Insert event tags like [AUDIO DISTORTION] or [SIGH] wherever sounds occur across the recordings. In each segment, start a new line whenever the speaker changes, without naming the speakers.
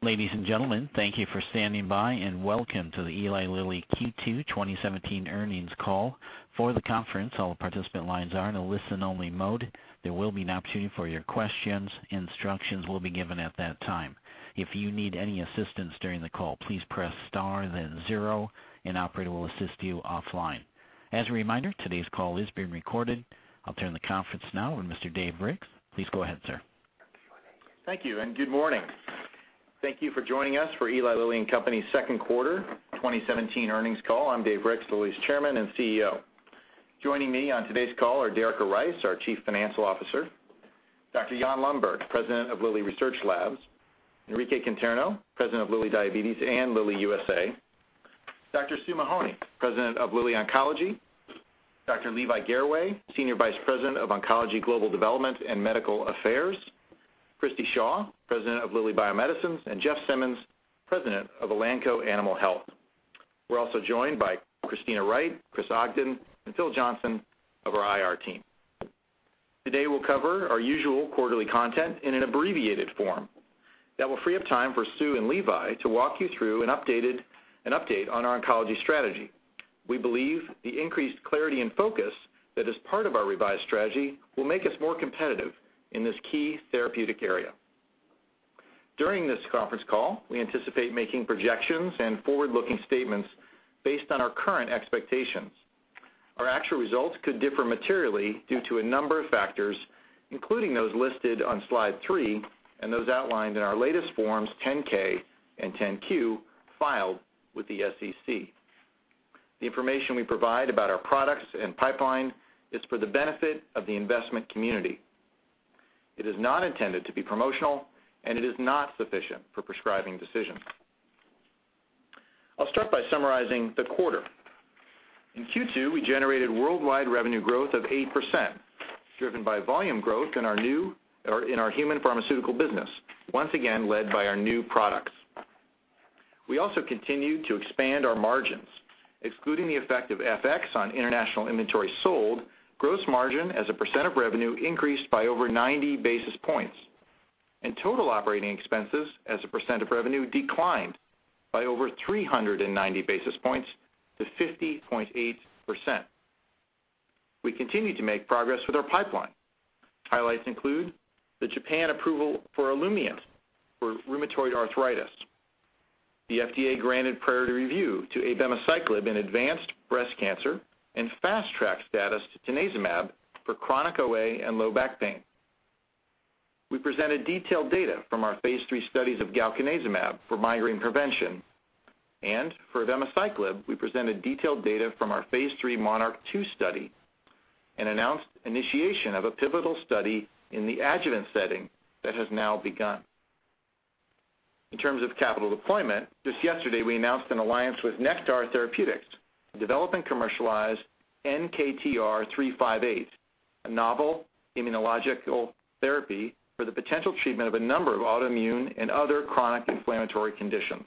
Ladies and gentlemen, thank you for standing by, and welcome to the Eli Lilly Q2 2017 earnings call. For the conference, all participant lines are in a listen-only mode. There will be an opportunity for your questions. Instructions will be given at that time. If you need any assistance during the call, please press star, then zero, an operator will assist you offline. As a reminder, today's call is being recorded. I'll turn the conference now over to Mr. Dave Ricks. Please go ahead, sir.
Thank you. Good morning. Thank you for joining us for Eli Lilly and Company second quarter 2017 earnings call. I'm Dave Ricks, Lilly's Chairman and CEO. Joining me on today's call are Derica Rice, our Chief Financial Officer, Dr. Jan Lundberg, President of Lilly Research Labs, Enrique Conterno, President of Lilly Diabetes and Lilly USA, Dr. Susan Mahony, President of Lilly Oncology, Dr. Levi Garraway, Senior Vice President of Oncology Global Development and Medical Affairs, Christi Shaw, President of Lilly Bio-Medicines, and Jeffrey Simmons, President of Elanco Animal Health. We're also joined by Kristina Wright, Chris Ogden, and Philip Johnson of our IR team. Today, we'll cover our usual quarterly content in an abbreviated form that will free up time for Susan and Levi to walk you through an update on our oncology strategy. We believe the increased clarity and focus that is part of our revised strategy will make us more competitive in this key therapeutic area. During this conference call, we anticipate making projections and forward-looking statements based on our current expectations. Our actual results could differ materially due to a number of factors, including those listed on slide three and those outlined in our latest forms, 10-K and 10-Q, filed with the SEC. The information we provide about our products and pipeline is for the benefit of the investment community. It is not intended to be promotional, and it is not sufficient for prescribing decisions. I'll start by summarizing the quarter. In Q2, we generated worldwide revenue growth of 8%, driven by volume growth in our human pharmaceutical business, once again, led by our new products. We also continued to expand our margins. Excluding the effect of FX on international inventory sold, gross margin as a percent of revenue increased by over 90 basis points, and total operating expenses as a percent of revenue declined by over 390 basis points to 50.8%. We continue to make progress with our pipeline. Highlights include the Japan approval for Olumiant for rheumatoid arthritis. The FDA granted priority review to abemaciclib in advanced breast cancer and Fast Track status to tanezumab for chronic OA and low back pain. We presented detailed data from our phase III studies of galcanezumab for migraine prevention. For abemaciclib, we presented detailed data from our phase III MONARCH 2 study and announced initiation of a pivotal study in the adjuvant setting that has now begun. In terms of capital deployment, just yesterday, we announced an alliance with Nektar Therapeutics to develop and commercialize NKTR-358, a novel immunological therapy for the potential treatment of a number of autoimmune and other chronic inflammatory conditions.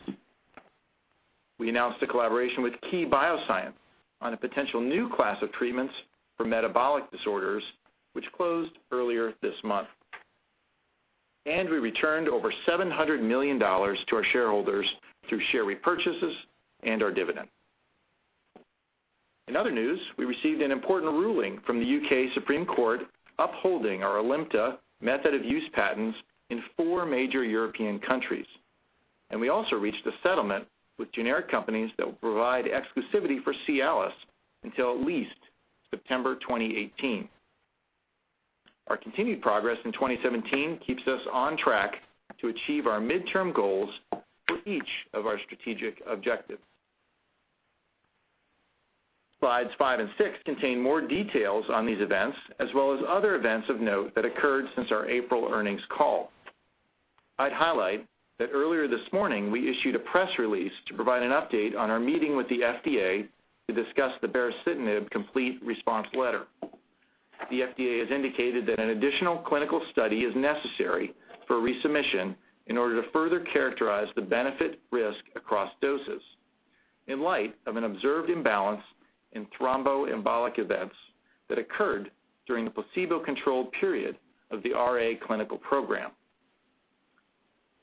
We announced a collaboration with KeyBioscience on a potential new class of treatments for metabolic disorders, which closed earlier this month. We returned over $700 million to our shareholders through share repurchases and our dividend. In other news, we received an important ruling from the U.K. Supreme Court upholding our ALIMTA method-of-use patents in four major European countries, and we also reached a settlement with generic companies that will provide exclusivity for Cialis until at least September 2018. Our continued progress in 2017 keeps us on track to achieve our midterm goals for each of our strategic objectives. Slides five and six contain more details on these events, as well as other events of note that occurred since our April earnings call. I'd highlight that earlier this morning, we issued a press release to provide an update on our meeting with the FDA to discuss the baricitinib complete response letter. The FDA has indicated that an additional clinical study is necessary for resubmission in order to further characterize the benefit risk across doses in light of an observed imbalance in thromboembolic events that occurred during the placebo-controlled period of the RA clinical program.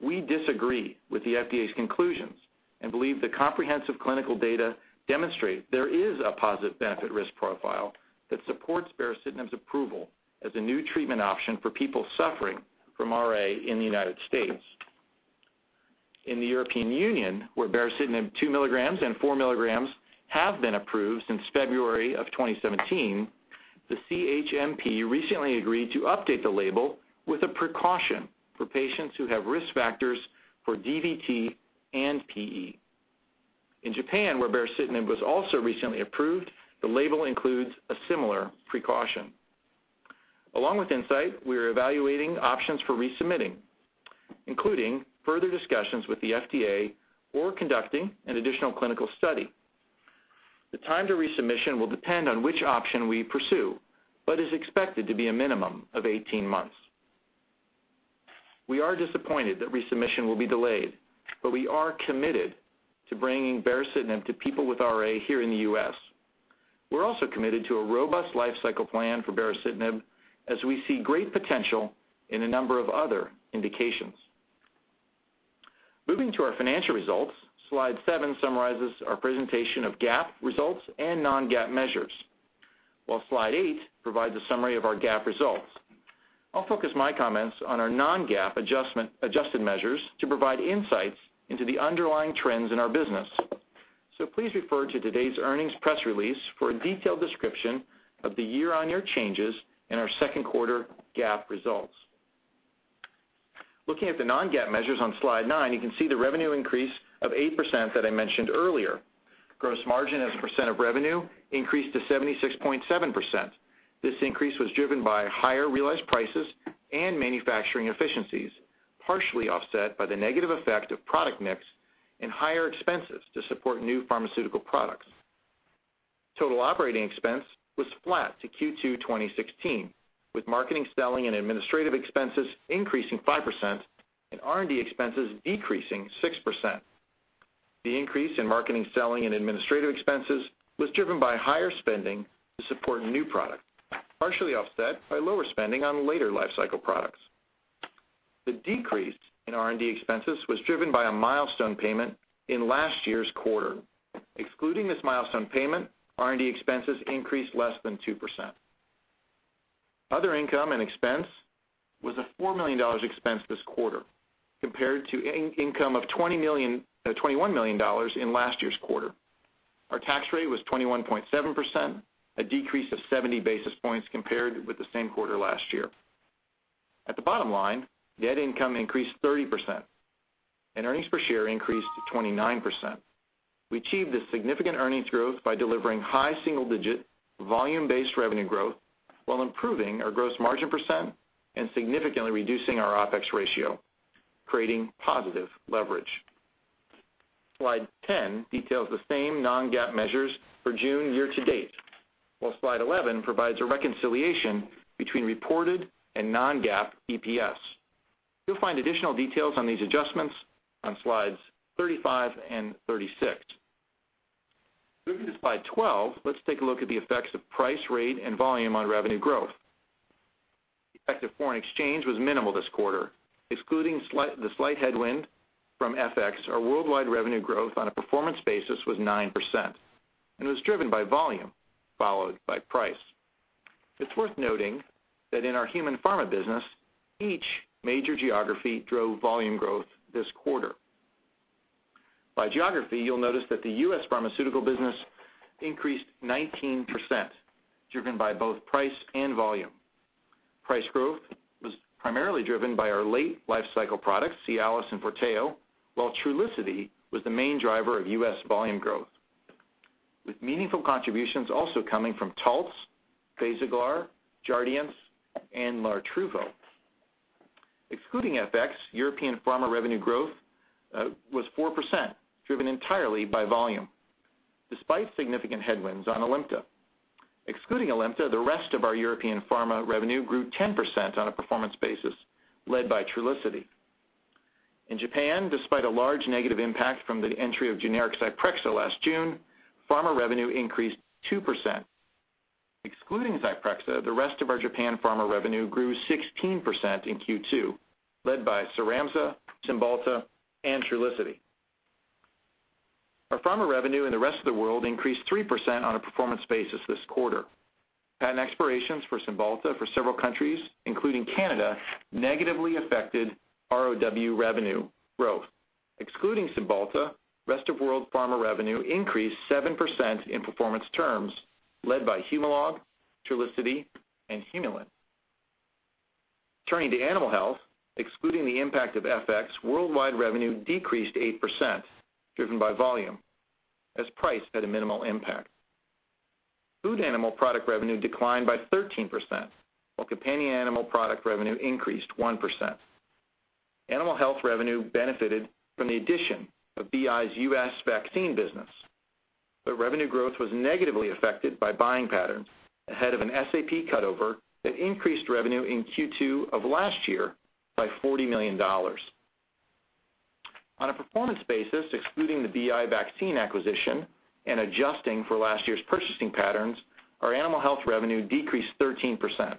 We disagree with the FDA's conclusions and believe the comprehensive clinical data demonstrate there is a positive benefit risk profile that supports baricitinib's approval as a new treatment option for people suffering from RA in the U.S. In the European Union, where baricitinib two milligrams and four milligrams have been approved since February of 2017, the CHMP recently agreed to update the label with a precaution for patients who have risk factors for DVT and PE. In Japan, where baricitinib was also recently approved, the label includes a similar precaution. Along with Incyte, we are evaluating options for resubmitting, including further discussions with the FDA or conducting an additional clinical study. The time to resubmission will depend on which option we pursue but is expected to be a minimum of 18 months. We are disappointed that resubmission will be delayed, but we are committed to bringing baricitinib to people with RA here in the U.S. We're also committed to a robust life cycle plan for baricitinib as we see great potential in a number of other indications. Moving to our financial results, slide seven summarizes our presentation of GAAP results and non-GAAP measures, while slide eight provides a summary of our GAAP results. I'll focus my comments on our non-GAAP adjusted measures to provide insights into the underlying trends in our business. Please refer to today's earnings press release for a detailed description of the year-on-year changes in our second quarter GAAP results. Looking at the non-GAAP measures on slide nine, you can see the revenue increase of 8% that I mentioned earlier. Gross margin as a percent of revenue increased to 76.7%. This increase was driven by higher realized prices and manufacturing efficiencies, partially offset by the negative effect of product mix and higher expenses to support new pharmaceutical products. Total operating expense was flat to Q2 2016, with marketing, selling and administrative expenses increasing 5% and R&D expenses decreasing 6%. The increase in marketing, selling, and administrative expenses was driven by higher spending to support new product, partially offset by lower spending on later life cycle products. The decrease in R&D expenses was driven by a milestone payment in last year's quarter. Excluding this milestone payment, R&D expenses increased less than 2%. Other income and expense was a $4 million expense this quarter compared to income of $21 million in last year's quarter. Our tax rate was 21.7%, a decrease of 70 basis points compared with the same quarter last year. At the bottom line, net income increased 30%, and earnings per share increased to 29%. We achieved this significant earnings growth by delivering high single-digit volume-based revenue growth while improving our gross margin percent and significantly reducing our OPEX ratio, creating positive leverage. Slide 10 details the same non-GAAP measures for June year to date, while Slide 11 provides a reconciliation between reported and non-GAAP EPS. You'll find additional details on these adjustments on slides 35 and 36. Moving to slide 12, let's take a look at the effects of price, rate, and volume on revenue growth. The effect of foreign exchange was minimal this quarter. Excluding the slight headwind from FX, our worldwide revenue growth on a performance basis was 9% and was driven by volume, followed by price. It's worth noting that in our human pharma business, each major geography drove volume growth this quarter. By geography, you'll notice that the U.S. pharmaceutical business increased 19%, driven by both price and volume. Price growth was primarily driven by our late life cycle products, Cialis and FORTEO, while Trulicity was the main driver of U.S. volume growth, with meaningful contributions also coming from Taltz, BASAGLAR, JARDIANCE, and LARTRUVO. Excluding FX, European pharma revenue growth was 4%, driven entirely by volume, despite significant headwinds on ALIMTA. Excluding ALIMTA, the rest of our European pharma revenue grew 10% on a performance basis, led by Trulicity. In Japan, despite a large negative impact from the entry of generic ZYPREXA last June, pharma revenue increased 2%. Excluding ZYPREXA, the rest of our Japan pharma revenue grew 16% in Q2, led by CYRAMZA, Cymbalta, and Trulicity. Our pharma revenue in the rest of the world increased 3% on a performance basis this quarter. Patent expirations for Cymbalta for several countries, including Canada, negatively affected ROW revenue growth. Excluding Cymbalta, rest of world pharma revenue increased 7% in performance terms, led by Humalog, Trulicity, and Humulin. Turning to animal health, excluding the impact of FX, worldwide revenue decreased 8%, driven by volume, as price had a minimal impact. Food animal product revenue declined by 13%, while companion animal product revenue increased 1%. Animal health revenue benefited from the addition of BI's U.S. vaccine business, but revenue growth was negatively affected by buying patterns ahead of an SAP cutover that increased revenue in Q2 of last year by $40 million. On a performance basis, excluding the BI vaccine acquisition and adjusting for last year's purchasing patterns, our animal health revenue decreased 13%,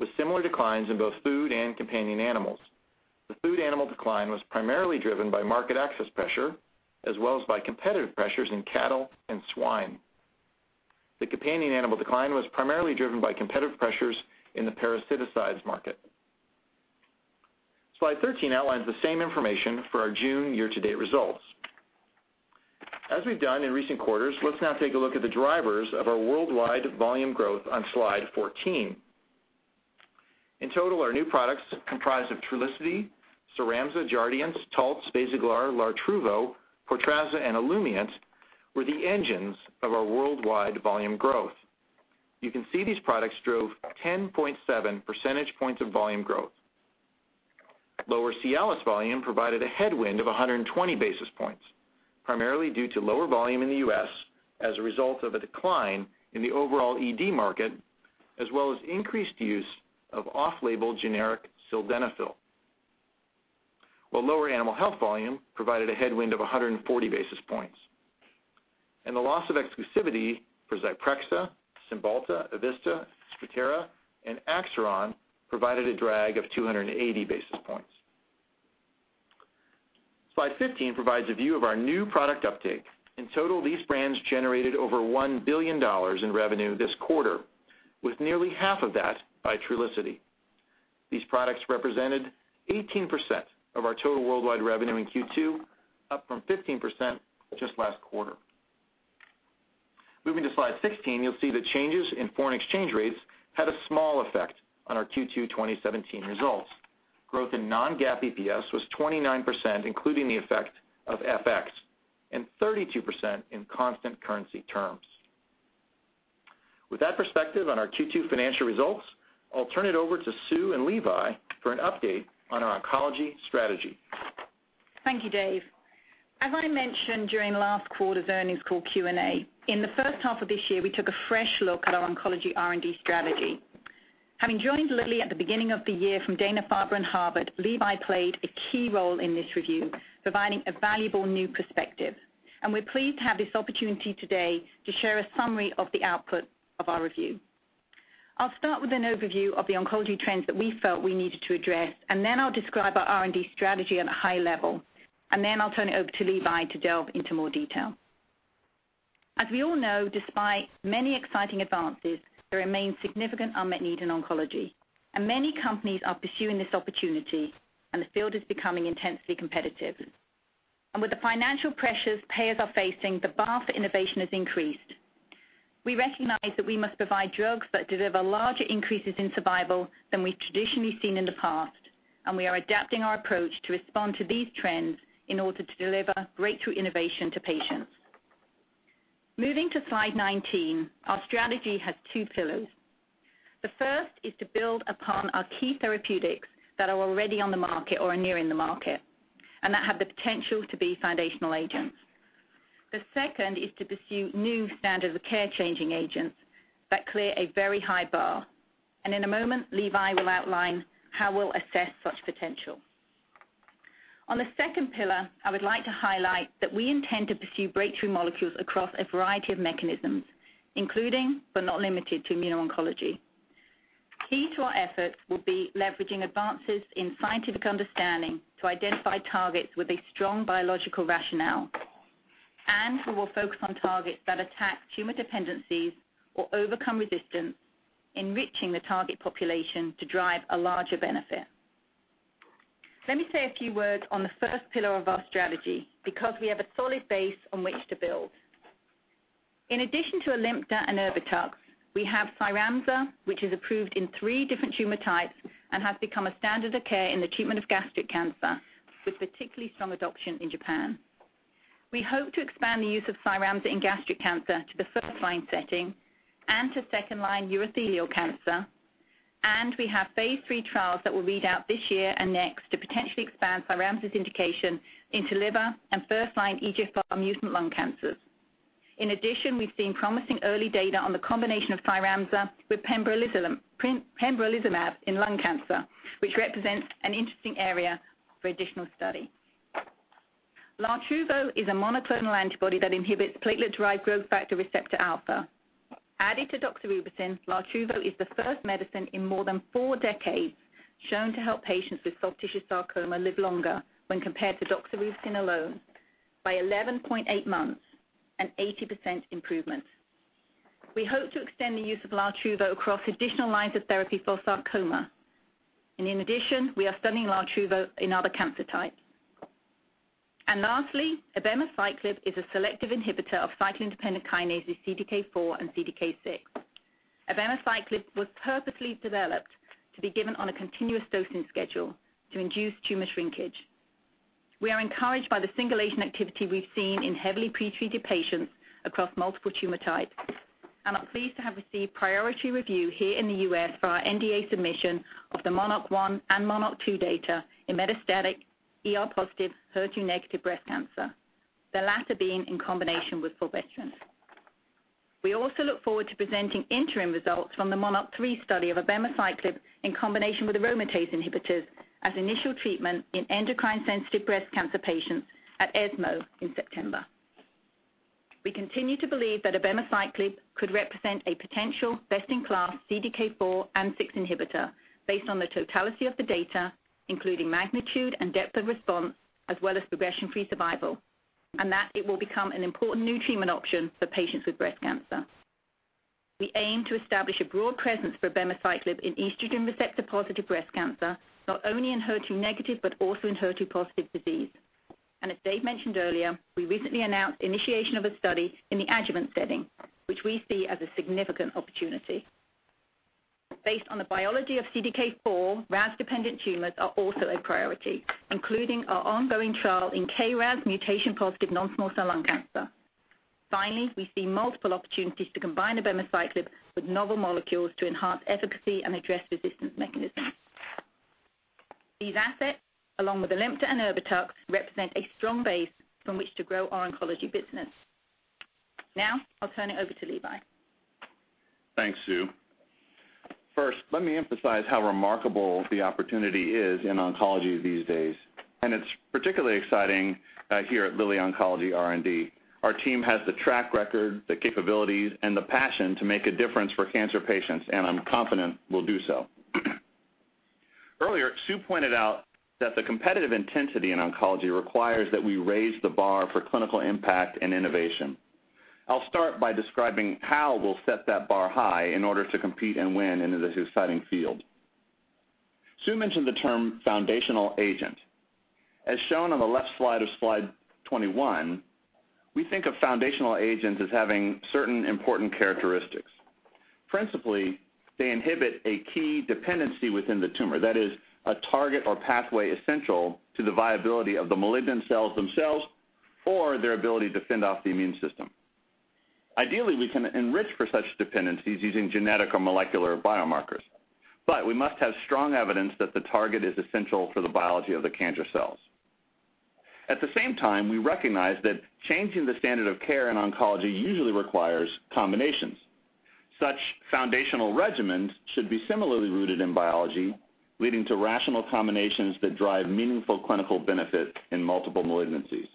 with similar declines in both food and companion animals. The food animal decline was primarily driven by market access pressure, as well as by competitive pressures in cattle and swine. The companion animal decline was primarily driven by competitive pressures in the parasiticides market. slide 13 outlines the same information for our June year-to-date results. As we've done in recent quarters, let's now take a look at the drivers of our worldwide volume growth on slide 14. In total, our new products comprised of Trulicity, CYRAMZA, JARDIANCE, Taltz, BASAGLAR, LARTRUVO, Portrazza, and Olumiant, were the engines of our worldwide volume growth. You can see these products drove 10.7 percentage points of volume growth. Lower Cialis volume provided a headwind of 120 basis points. Primarily due to lower volume in the U.S. as a result of a decline in the overall ED market, as well as increased use of off-label generic sildenafil. Lower animal health volume provided a headwind of 140 basis points, and the loss of exclusivity for ZYPREXA, Cymbalta, EVISTA, Sprycel, and Axiron provided a drag of 280 basis points. slide 15 provides a view of our new product uptake. In total, these brands generated over $1 billion in revenue this quarter, with nearly half of that by Trulicity. These products represented 18% of our total worldwide revenue in Q2, up from 15% just last quarter. Moving to slide 16, you'll see the changes in foreign exchange rates had a small effect on our Q2 2017 results. Growth in non-GAAP EPS was 29%, including the effect of FX, and 32% in constant currency terms. With that perspective on our Q2 financial results, I'll turn it over to Sue and Levi for an update on our oncology strategy.
Thank you, Dave. As I mentioned during last quarter's earnings call Q&A, in the first half of this year, we took a fresh look at our oncology R&D strategy. Having joined Lilly at the beginning of the year from Dana-Farber and Harvard, Levi played a key role in this review, providing a valuable new perspective. We're pleased to have this opportunity today to share a summary of the output of our review. I'll start with an overview of the oncology trends that we felt we needed to address. Then I'll describe our R&D strategy at a high level. Then I'll turn it over to Levi to delve into more detail. As we all know, despite many exciting advances, there remains significant unmet need in oncology. Many companies are pursuing this opportunity, and the field is becoming intensely competitive. With the financial pressures payers are facing, the bar for innovation has increased. We recognize that we must provide drugs that deliver larger increases in survival than we've traditionally seen in the past, we are adapting our approach to respond to these trends in order to deliver breakthrough innovation to patients. Moving to slide 19, our strategy has two pillars. The first is to build upon our key therapeutics that are already on the market or are nearing the market, that have the potential to be foundational agents. The second is to pursue new standard of care changing agents that clear a very high bar. In a moment, Levi will outline how we'll assess such potential. On the second pillar, I would like to highlight that we intend to pursue breakthrough molecules across a variety of mechanisms, including, but not limited to immuno-oncology. Key to our efforts will be leveraging advances in scientific understanding to identify targets with a strong biological rationale. We will focus on targets that attack tumor dependencies or overcome resistance, enriching the target population to drive a larger benefit. Let me say a few words on the first pillar of our strategy, because we have a solid base on which to build. In addition to ALIMTA and Erbitux, we have CYRAMZA, which is approved in three different tumor types and has become a standard of care in the treatment of gastric cancer, with particularly strong adoption in Japan. We hope to expand the use of CYRAMZA in gastric cancer to the first-line setting and to second-line urothelial cancer. We have Phase III trials that will read out this year and next to potentially expand CYRAMZA's indication into liver and first-line EGFR mutant lung cancers. In addition, we've seen promising early data on the combination of CYRAMZA with pembrolizumab in lung cancer, which represents an interesting area for additional study. LARTRUVO is a monoclonal antibody that inhibits platelet-derived growth factor receptor alpha. Added to doxorubicin, LARTRUVO is the first medicine in more than four decades shown to help patients with soft tissue sarcoma live longer when compared to doxorubicin alone, by 11.8 months, an 80% improvement. We hope to extend the use of LARTRUVO across additional lines of therapy for sarcoma. In addition, we are studying LARTRUVO in other cancer types. Lastly, abemaciclib is a selective inhibitor of cyclin-dependent kinases CDK4 and CDK6. Abemaciclib was purposely developed to be given on a continuous dosing schedule to induce tumor shrinkage. We are encouraged by the single-agent activity we've seen in heavily pretreated patients across multiple tumor types and are pleased to have received priority review here in the U.S. for our NDA submission of the MONARCH 1 and MONARCH 2 data in metastatic ER-positive, HER2-negative breast cancer, the latter being in combination with fulvestrant. We also look forward to presenting interim results from the MONARCH 3 study of abemaciclib in combination with aromatase inhibitors as initial treatment in endocrine sensitive breast cancer patients at ESMO in September. We continue to believe that abemaciclib could represent a potential best-in-class CDK4 and 6 inhibitor based on the totality of the data, including magnitude and depth of response, as well as progression-free survival, and that it will become an important new treatment option for patients with breast cancer. We aim to establish a broad presence for abemaciclib in estrogen receptor-positive breast cancer, not only in HER2-negative, but also in HER2-positive disease. As Dave mentioned earlier, we recently announced initiation of a study in the adjuvant setting, which we see as a significant opportunity. Based on the biology of CDK4, RAS-dependent tumors are also a priority, including our ongoing trial in KRAS mutation-positive non-small cell lung cancer. Finally, we see multiple opportunities to combine abemaciclib with novel molecules to enhance efficacy and address resistance mechanisms. These assets, along with ALIMTA and Erbitux, represent a strong base from which to grow our oncology business. Now, I'll turn it over to Levi.
Thanks, Sue. First, let me emphasize how remarkable the opportunity is in oncology these days, and it's particularly exciting here at Lilly Oncology R&D. Our team has the track record, the capabilities, and the passion to make a difference for cancer patients, and I'm confident we'll do so. Earlier, Sue pointed out that the competitive intensity in oncology requires that we raise the bar for clinical impact and innovation. I'll start by describing how we'll set that bar high in order to compete and win in this exciting field. Sue mentioned the term foundational agent. As shown on the left slide of slide 21, we think of foundational agents as having certain important characteristics. Principally, they inhibit a key dependency within the tumor that is a target or pathway essential to the viability of the malignant cells themselves or their ability to fend off the immune system. Ideally, we can enrich for such dependencies using genetic or molecular biomarkers. We must have strong evidence that the target is essential for the biology of the cancer cells. At the same time, we recognize that changing the standard of care in oncology usually requires combinations. Such foundational regimens should be similarly rooted in biology, leading to rational combinations that drive meaningful clinical benefit in multiple malignancies.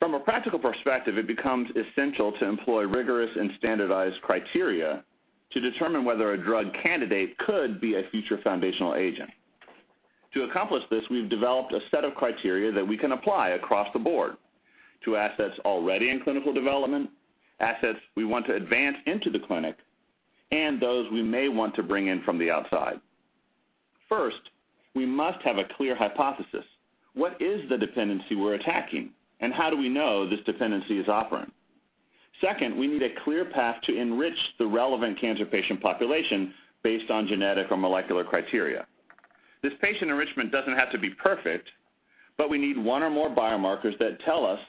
From a practical perspective, it becomes essential to employ rigorous and standardized criteria to determine whether a drug candidate could be a future foundational agent. To accomplish this, we've developed a set of criteria that we can apply across the board to assets already in clinical development, assets we want to advance into the clinic, and those we may want to bring in from the outside. First, we must have a clear hypothesis. What is the dependency we're attacking? How do we know this dependency is operant? Second, we need a clear path to enrich the relevant cancer patient population based on genetic or molecular criteria. This patient enrichment doesn't have to be perfect, but we need one or more biomarkers that tell us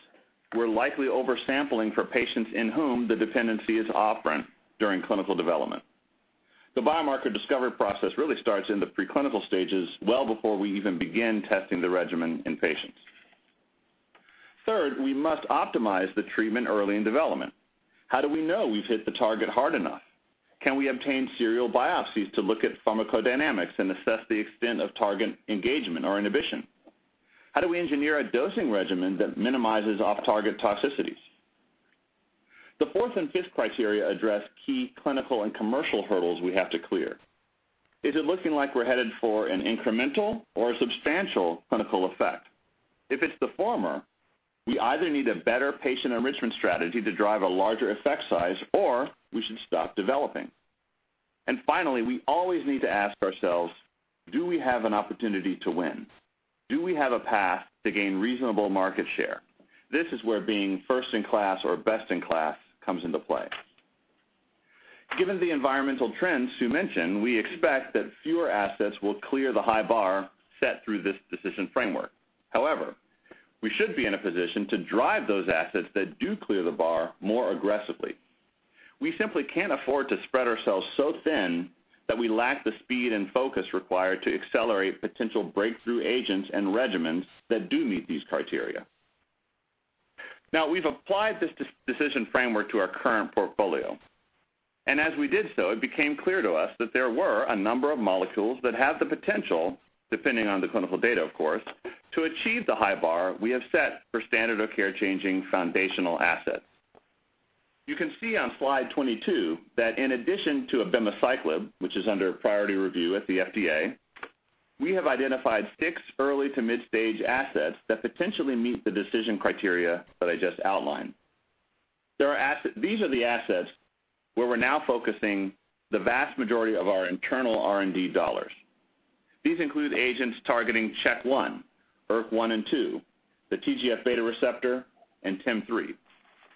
we're likely oversampling for patients in whom the dependency is operant during clinical development. The biomarker discovery process really starts in the preclinical stages well before we even begin testing the regimen in patients. Third, we must optimize the treatment early in development. How do we know we've hit the target hard enough? Can we obtain serial biopsies to look at pharmacodynamics and assess the extent of target engagement or inhibition? How do we engineer a dosing regimen that minimizes off-target toxicities? The fourth and fifth criteria address key clinical and commercial hurdles we have to clear. Is it looking like we're headed for an incremental or a substantial clinical effect? If it's the former, we either need a better patient enrichment strategy to drive a larger effect size, or we should stop developing. Finally, we always need to ask ourselves, do we have an opportunity to win? Do we have a path to gain reasonable market share? This is where being first in class or best in class comes into play. Given the environmental trends Sue mentioned, we expect that fewer assets will clear the high bar set through this decision framework. However, we should be in a position to drive those assets that do clear the bar more aggressively. We simply can't afford to spread ourselves so thin that we lack the speed and focus required to accelerate potential breakthrough agents and regimens that do meet these criteria. We've applied this decision framework to our current portfolio, and as we did so, it became clear to us that there were a number of molecules that have the potential, depending on the clinical data, of course, to achieve the high bar we have set for standard of care-changing foundational assets. You can see on slide 22 that in addition to abemaciclib, which is under priority review at the FDA, we have identified six early to mid-stage assets that potentially meet the decision criteria that I just outlined. These are the assets where we're now focusing the vast majority of our internal R&D dollars. These include agents targeting CHK1, ERK1/2, the TGF-β receptor, and TIM-3.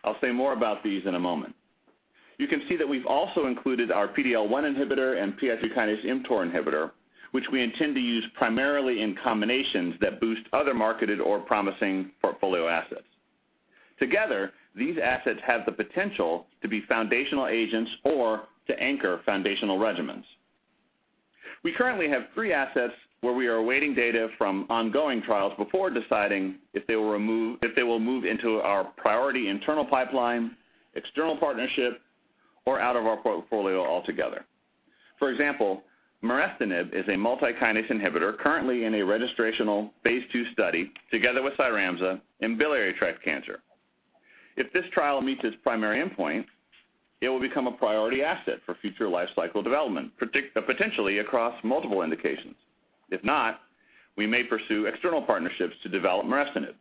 I'll say more about these in a moment. You can see that we've also included our PD-L1 inhibitor and PI3K mTOR inhibitor, which we intend to use primarily in combinations that boost other marketed or promising portfolio assets. Together, these assets have the potential to be foundational agents or to anchor foundational regimens. We currently have three assets where we are awaiting data from ongoing trials before deciding if they will move into our priority internal pipeline, external partnership, or out of our portfolio altogether. For example, merestinib is a multi-kinase inhibitor currently in a registrational phase II study together with CYRAMZA in biliary tract cancer. If this trial meets its primary endpoint, it will become a priority asset for future life cycle development, potentially across multiple indications. If not, we may pursue external partnerships to develop merestinib.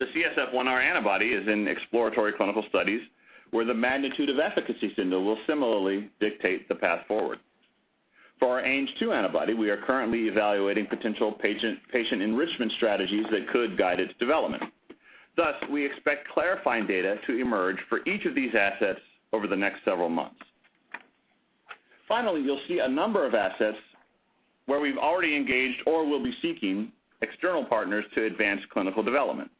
The CSF1R antibody is in exploratory clinical studies where the magnitude of efficacy signal will similarly dictate the path forward. For our Ang2 antibody, we are currently evaluating potential patient enrichment strategies that could guide its development. Thus, we expect clarifying data to emerge for each of these assets over the next several months. Finally, you'll see a number of assets where we've already engaged or will be seeking external partners to advance clinical development.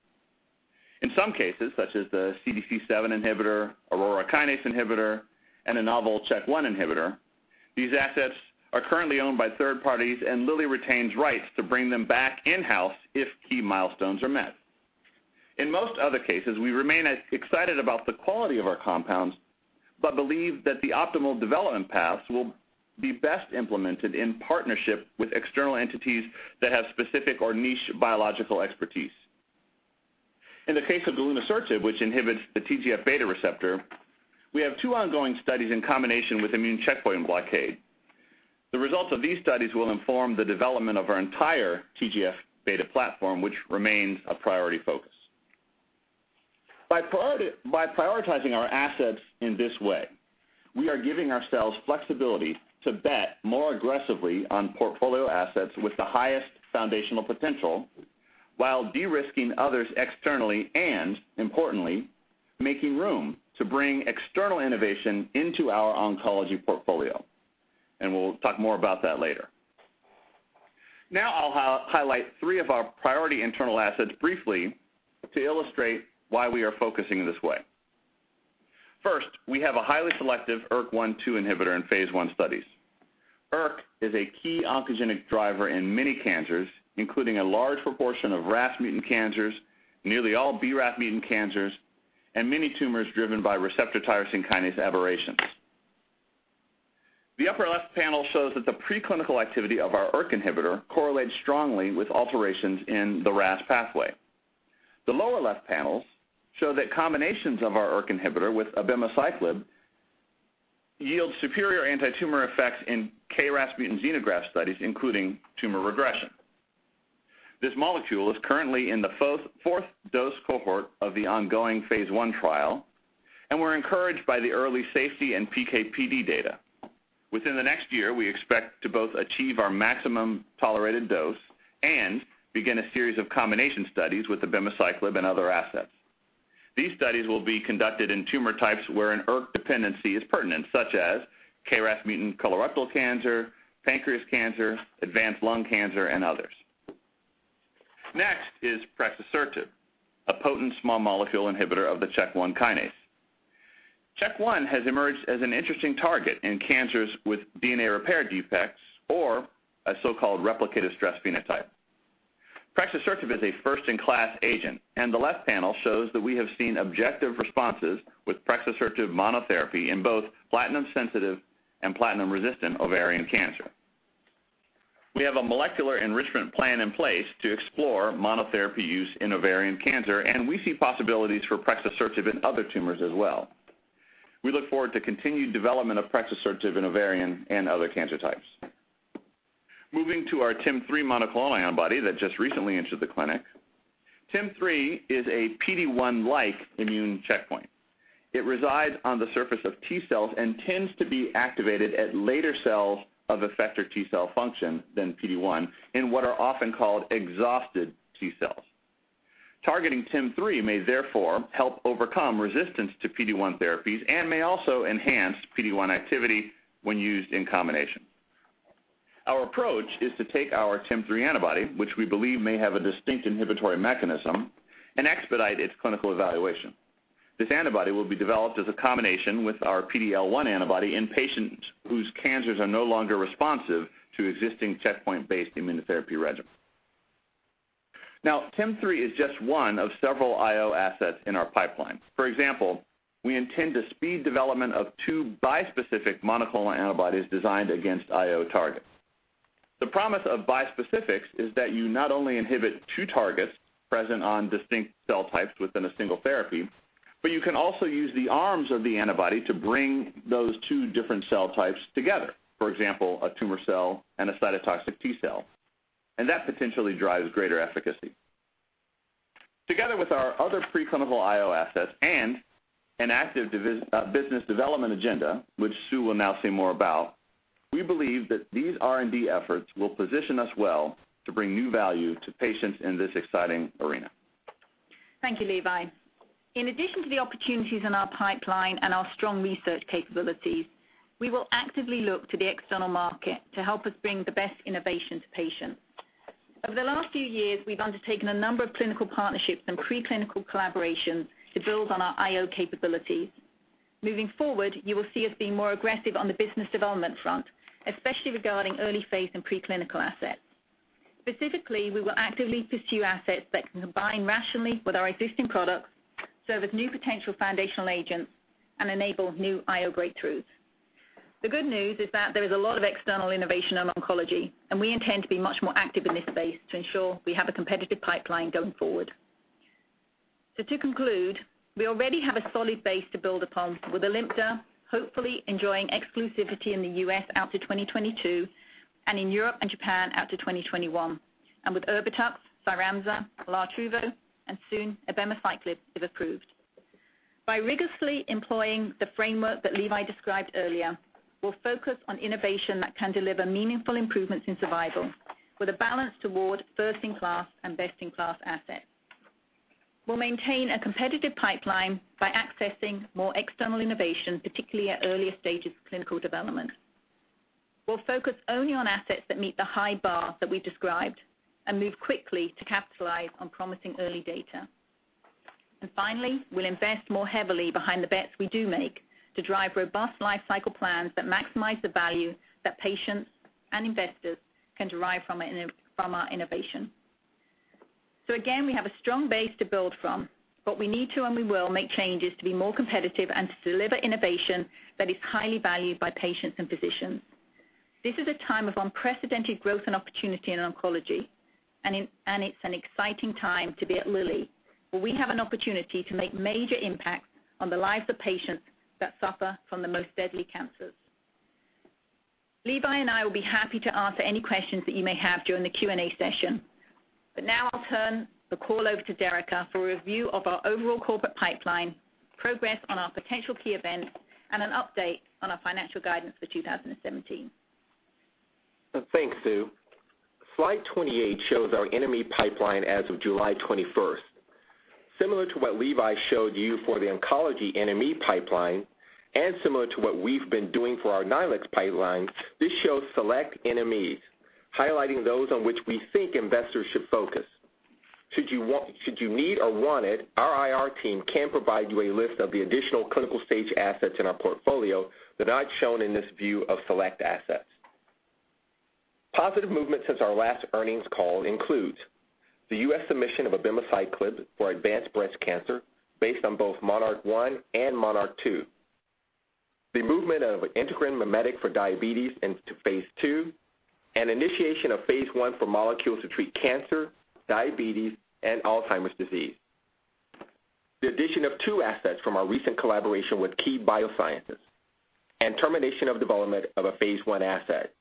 In some cases, such as the CDC7 inhibitor, aurora kinase inhibitor, and a novel CHK1 inhibitor, these assets are currently owned by third parties, and Lilly retains rights to bring them back in-house if key milestones are met. In most other cases, we remain as excited about the quality of our compounds, but believe that the optimal development paths will be best implemented in partnership with external entities that have specific or niche biological expertise. In the case of galunisertib, which inhibits the TGF-β receptor, we have two ongoing studies in combination with immune checkpoint blockade. The results of these studies will inform the development of our entire TGF-β platform, which remains a priority focus. By prioritizing our assets in this way, we are giving ourselves flexibility to bet more aggressively on portfolio assets with the highest foundational potential while de-risking others externally and, importantly, making room to bring external innovation into our oncology portfolio, and we'll talk more about that later. I'll highlight three of our priority internal assets briefly to illustrate why we are focusing this way. First, we have a highly selective ERK1/2 inhibitor in phase I studies. ERK is a key oncogenic driver in many cancers, including a large proportion of RAS mutant cancers, nearly all BRAF mutant cancers, and many tumors driven by receptor tyrosine kinase aberrations. The upper left panel shows that the preclinical activity of our ERK inhibitor correlates strongly with alterations in the RAS pathway. The lower left panels show that combinations of our ERK inhibitor with abemaciclib yield superior antitumor effects in KRAS mutant xenograft studies, including tumor regression. This molecule is currently in the fourth dose cohort of the ongoing phase I trial, and we're encouraged by the early safety and PK/PD data. Within the next year, we expect to both achieve our maximum tolerated dose and begin a series of combination studies with abemaciclib and other assets. These studies will be conducted in tumor types where an ERK dependency is pertinent, such as KRAS mutant colorectal cancer, pancreas cancer, advanced lung cancer, and others. Next is prexasertib, a potent small molecule inhibitor of the CHK1 kinase. CHK1 has emerged as an interesting target in cancers with DNA repair defects or a so-called replicative stress phenotype. Prexasertib is a first-in-class agent, and the left panel shows that we have seen objective responses with prexasertib monotherapy in both platinum-sensitive and platinum-resistant ovarian cancer. We have a molecular enrichment plan in place to explore monotherapy use in ovarian cancer, and we see possibilities for prexasertib in other tumors as well. We look forward to continued development of prexasertib in ovarian and other cancer types. Moving to our TIM-3 monoclonal antibody that just recently entered the clinic. TIM-3 is a PD-1-like immune checkpoint. It resides on the surface of T cells and tends to be activated at later cells of effector T cell function than PD-1 in what are often called exhausted T cells. Targeting TIM-3 may therefore help overcome resistance to PD-1 therapies and may also enhance PD-1 activity when used in combination. Our approach is to take our TIM-3 antibody, which we believe may have a distinct inhibitory mechanism, and expedite its clinical evaluation. This antibody will be developed as a combination with our PD-L1 antibody in patients whose cancers are no longer responsive to existing checkpoint-based immunotherapy regimens. TIM-3 is just one of several IO assets in our pipeline. For example, we intend to speed development of two bispecific monoclonal antibodies designed against IO targets. The promise of bispecifics is that you not only inhibit two targets present on distinct cell types within a single therapy, but you can also use the arms of the antibody to bring those two different cell types together, for example, a tumor cell and a cytotoxic T cell, and that potentially drives greater efficacy. Together with our other preclinical IO assets and an active business development agenda, which Sue will now say more about, we believe that these R&D efforts will position us well to bring new value to patients in this exciting arena.
Thank you, Levi. In addition to the opportunities in our pipeline and our strong research capabilities, we will actively look to the external market to help us bring the best innovation to patients. Over the last few years, we've undertaken a number of clinical partnerships and preclinical collaborations to build on our IO capabilities. Moving forward, you will see us being more aggressive on the business development front, especially regarding early phase and preclinical assets. Specifically, we will actively pursue assets that can combine rationally with our existing products, serve as new potential foundational agents, and enable new IO breakthroughs. The good news is that there is a lot of external innovation in oncology, and we intend to be much more active in this space to ensure we have a competitive pipeline going forward. To conclude, we already have a solid base to build upon with ALIMTA hopefully enjoying exclusivity in the U.S. out to 2022, and in Europe and Japan out to 2021, and with Erbitux, CYRAMZA, LARTRUVO, and soon abemaciclib, if approved. By rigorously employing the framework that Levi described earlier, we'll focus on innovation that can deliver meaningful improvements in survival with a balance toward first-in-class and best-in-class assets. We'll maintain a competitive pipeline by accessing more external innovation, particularly at earlier stages of clinical development. We'll focus only on assets that meet the high bar that we've described and move quickly to capitalize on promising early data. Finally, we'll invest more heavily behind the bets we do make to drive robust life cycle plans that maximize the value that patients and investors can derive from our innovation. Again, we have a strong base to build from, but we need to, and we will, make changes to be more competitive and to deliver innovation that is highly valued by patients and physicians. This is a time of unprecedented growth and opportunity in oncology, and it's an exciting time to be at Lilly, where we have an opportunity to make major impacts on the lives of patients that suffer from the most deadly cancers. Levi and I will be happy to answer any questions that you may have during the Q&A session. Now I'll turn the call over to Derica for a review of our overall corporate pipeline, progress on our potential key events, and an update on our financial guidance for 2017.
Thanks, Sue. slide 28 shows our NME pipeline as of July 21st. Similar to what Levi showed you for the oncology NME pipeline, and similar to what we've been doing for our Lilly pipeline, this shows select NMEs, highlighting those on which we think investors should focus. Should you need or want it, our IR team can provide you a list of the additional clinical-stage assets in our portfolio that I've shown in this view of select assets. Positive movement since our last earnings call includes the U.S. submission of abemaciclib for advanced breast cancer based on both MONARCH 1 and MONARCH 2, the movement of an integrin mimetic for diabetes into phase II, and initiation of phase I for molecules to treat cancer, diabetes, and Alzheimer's disease. The addition of two assets from our recent collaboration with KeyBioscience, and termination of development of a phase I asset.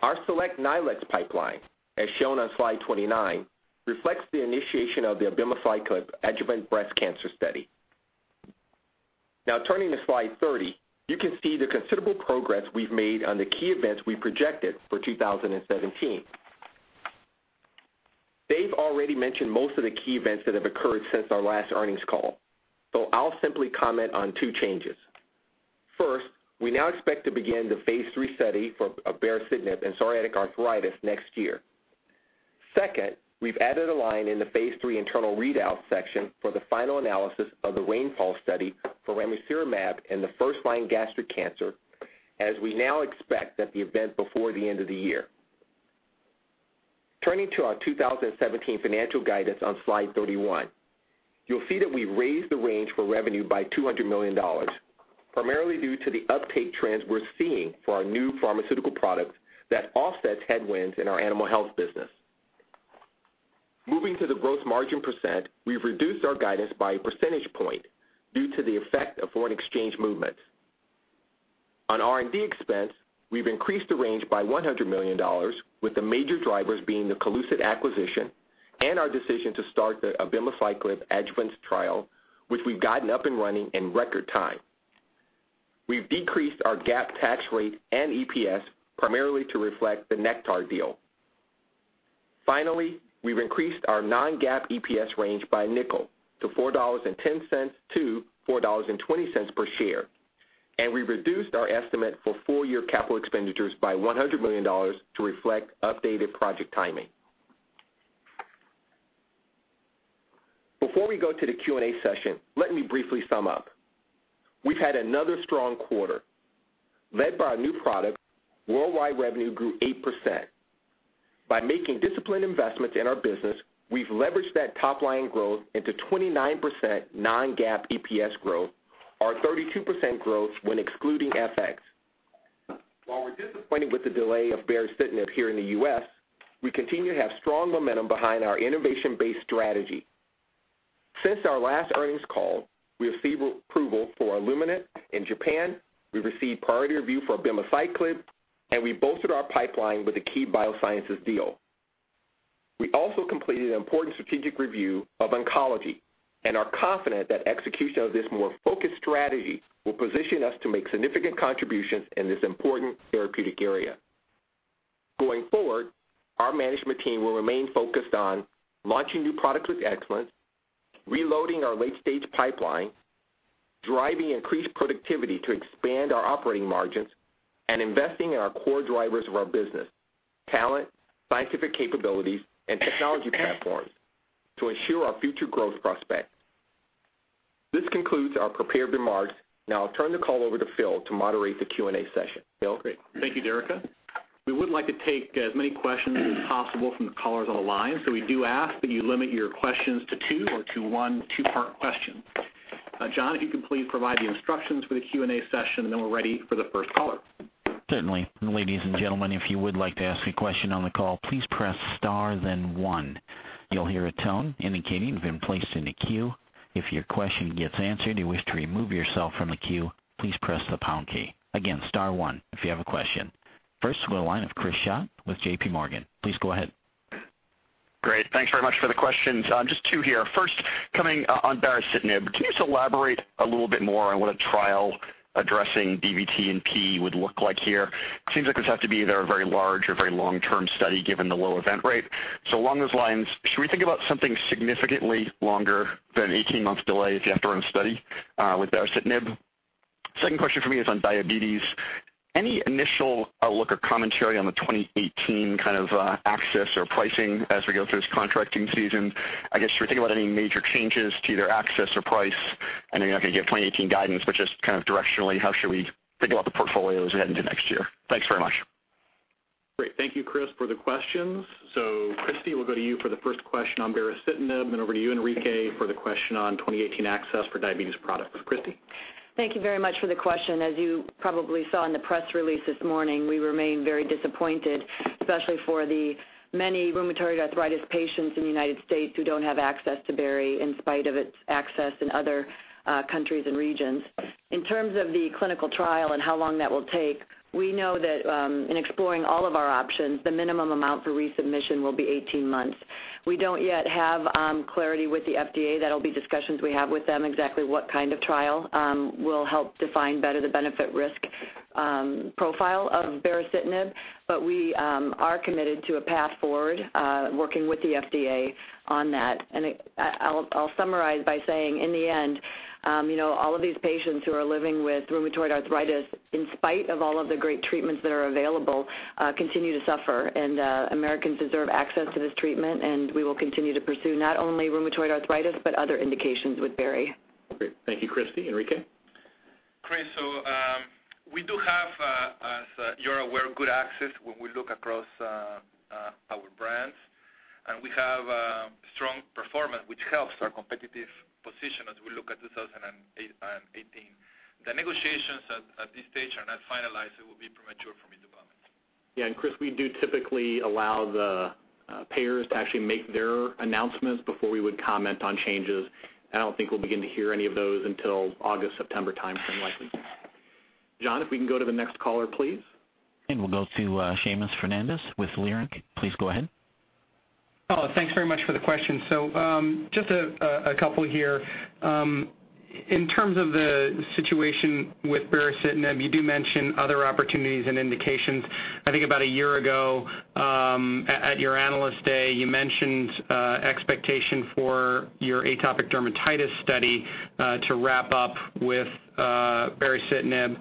Our select Lilly pipeline, as shown on slide 29, reflects the initiation of the abemaciclib adjuvant breast cancer study. Turning to slide 30, you can see the considerable progress we've made on the key events we projected for 2017. Dave already mentioned most of the key events that have occurred since our last earnings call, so I'll simply comment on two changes. First, we now expect to begin the phase III study for baricitinib and psoriatic arthritis next year. Second, we've added a line in the phase III internal readout section for the final analysis of the RAINFALL study for ramucirumab in the first-line gastric cancer, as we now expect that event before the end of the year. Turning to our 2017 financial guidance on slide 31, you'll see that we've raised the range for revenue by $200 million, primarily due to the uptake trends we're seeing for our new pharmaceutical products that offsets headwinds in our animal health business. Moving to the gross margin percent, we've reduced our guidance by a percentage point due to the effect of foreign exchange movements. On R&D expense, we've increased the range by $100 million, with the major drivers being the CoLucid acquisition and our decision to start the abemaciclib adjuvant trial, which we've gotten up and running in record time. We've decreased our GAAP tax rate and EPS, primarily to reflect the Nektar deal. Finally, we've increased our non-GAAP EPS range by a nickel to $4.10 to $4.20 per share, and we reduced our estimate for full-year capital expenditures by $100 million to reflect updated project timing. Before we go to the Q&A session, let me briefly sum up. We've had another strong quarter. Led by our new products, worldwide revenue grew 8%. By making disciplined investments in our business, we've leveraged that top-line growth into 29% non-GAAP EPS growth or 32% growth when excluding FX. While we're disappointed with the delay of baricitinib here in the U.S., we continue to have strong momentum behind our innovation-based strategy. Since our last earnings call, we received approval for ALIMTA in Japan, we received priority review for abemaciclib, and we bolstered our pipeline with the KeyBioscience deal. We also completed an important strategic review of oncology and are confident that execution of this more focused strategy will position us to make significant contributions in this important therapeutic area. Going forward, our management team will remain focused on launching new products with excellence, reloading our late-stage pipeline, driving increased productivity to expand our operating margins, and investing in our core drivers of our business, talent, scientific capabilities, and technology platforms to ensure our future growth prospects. This concludes our prepared remarks. Now I will turn the call over to Phil to moderate the Q&A session. Phil?
Great. Thank you, Derica. We would like to take as many questions as possible from the callers on the line, so we do ask that you limit your questions to two or to one two-part question. John, if you can please provide the instructions for the Q&A session, and then we are ready for the first caller.
Certainly. Ladies and gentlemen, if you would like to ask a question on the call, please press star, then one. You will hear a tone indicating you have been placed in a queue. If your question gets answered and you wish to remove yourself from the queue, please press the pound key. Again, star one if you have a question. First to the line of Chris Schott with J.P. Morgan. Please go ahead.
Great. Thanks very much for the questions. Just two here. First, coming on baricitinib, can you just elaborate a little bit more on what a trial addressing DVT and PE would look like here? It seems like this would have to be either a very large or very long-term study given the low event rate. Along those lines, should we think about something significantly longer than an 18-month delay if you have to run a study with baricitinib? Second question for me is on diabetes. Any initial outlook or commentary on the 2018 kind of access or pricing as we go through this contracting season? I guess, should we think about any major changes to either access or price? I know you are not going to give 2018 guidance, but just kind of directionally, how should we think about the portfolio as we head into next year? Thanks very much.
Great. Thank you, Chris, for the questions. Christi, we'll go to you for the first question on baricitinib, and over to you, Enrique, for the question on 2018 access for diabetes products. Christi?
Thank you very much for the question. As you probably saw in the press release this morning, we remain very disappointed, especially for the many rheumatoid arthritis patients in the U.S. who don't have access to bari in spite of its access in other countries and regions. In terms of the clinical trial and how long that will take, we know that, in exploring all of our options, the minimum amount for resubmission will be 18 months. We don't yet have clarity with the FDA. That'll be discussions we have with them, exactly what kind of trial will help define better the benefit-risk profile of baricitinib. We are committed to a path forward, working with the FDA on that. I'll summarize by saying, in the end, all of these patients who are living with rheumatoid arthritis, in spite of all of the great treatments that are available, continue to suffer, and Americans deserve access to this treatment, and we will continue to pursue not only rheumatoid arthritis, but other indications with bari.
Great. Thank you, Christi. Enrique?
Chris, we do have, as you're aware, good access when we look across our brands, and we have strong performance, which helps our competitive position as we look at 2018. The negotiations at this stage are not finalized. It would be premature for me to comment.
Yeah. Chris, we do typically allow the payers to actually make their announcements before we would comment on changes. I don't think we'll begin to hear any of those until August, September timeframe, likely. John, if we can go to the next caller, please.
We'll go to Seamus Fernandez with Leerink. Please go ahead.
Oh, thanks very much for the question. Just a couple here. In terms of the situation with baricitinib, you do mention other opportunities and indications. I think about a year ago, at your Analyst Day, you mentioned expectation for your atopic dermatitis study to wrap up with baricitinib.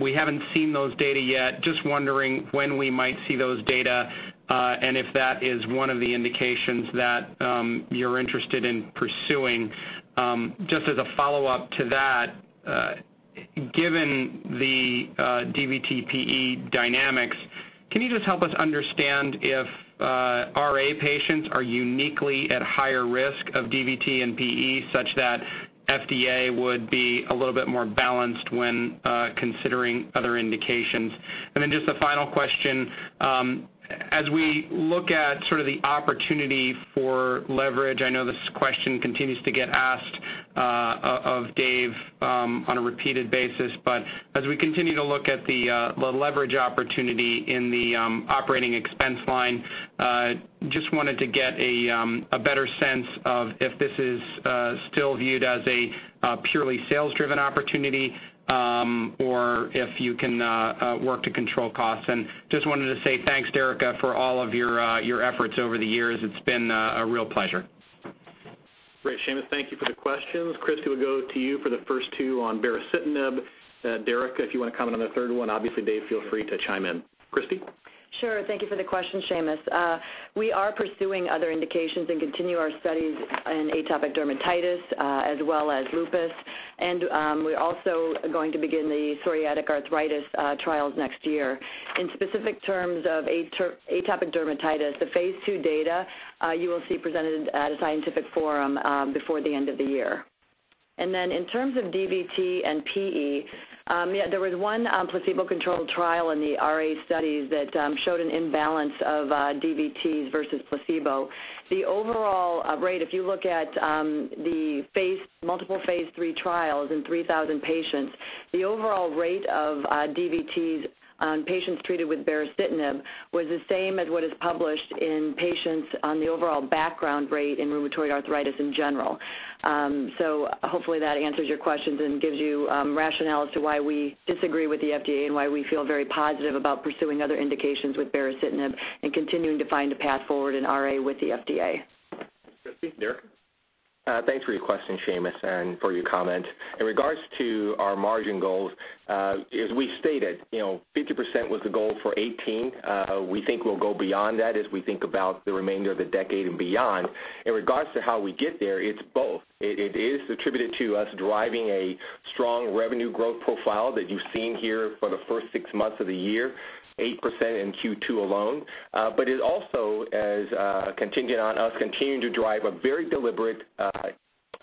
We haven't seen those data yet. Just wondering when we might see those data, and if that is one of the indications that you're interested in pursuing. Just as a follow-up to that, given the DVT/PE dynamics, can you just help us understand if RA patients are uniquely at higher risk of DVT and PE such that FDA would be a little bit more balanced when considering other indications? Then just a final question. As we look at sort of the opportunity for leverage, I know this question continues to get asked of Dave on a repeated basis, but as we continue to look at the leverage opportunity in the operating expense line, just wanted to get a better sense of if this is still viewed as a purely sales-driven opportunity or if you can work to control costs. Just wanted to say thanks, Derica, for all of your efforts over the years. It's been a real pleasure.
Great, Seamus. Thank you for the questions. Christi, we'll go to you for the first two on baricitinib. Derica, if you want to comment on the third one. Obviously, Dave, feel free to chime in. Christi?
Sure. Thank you for the question, Seamus. We are pursuing other indications and continue our studies in atopic dermatitis as well as lupus, and we're also going to begin the psoriatic arthritis trials next year. In specific terms of atopic dermatitis, the phase II data, you will see presented at a scientific forum before the end of the year. In terms of DVT and PE, there was one placebo-controlled trial in the RA studies that showed an imbalance of DVTs versus placebo. The overall rate, if you look at the multiple phase III trials in 3,000 patients, the overall rate of DVTs on patients treated with baricitinib was the same as what is published in patients on the overall background rate in rheumatoid arthritis in general. Hopefully that answers your questions and gives you rationale as to why we disagree with the FDA and why we feel very positive about pursuing other indications with baricitinib and continuing to find a path forward in RA with the FDA.
Christi, Derica?
Thanks for your question, Seamus, and for your comment. In regards to our margin goals, as we stated, 50% was the goal for 2018. We think we'll go beyond that as we think about the remainder of the decade and beyond. In regards to how we get there, it's both. It is attributed to us driving a strong revenue growth profile that you've seen here for the first six months of the year, 8% in Q2 alone. It also is contingent on us continuing to drive a very deliberate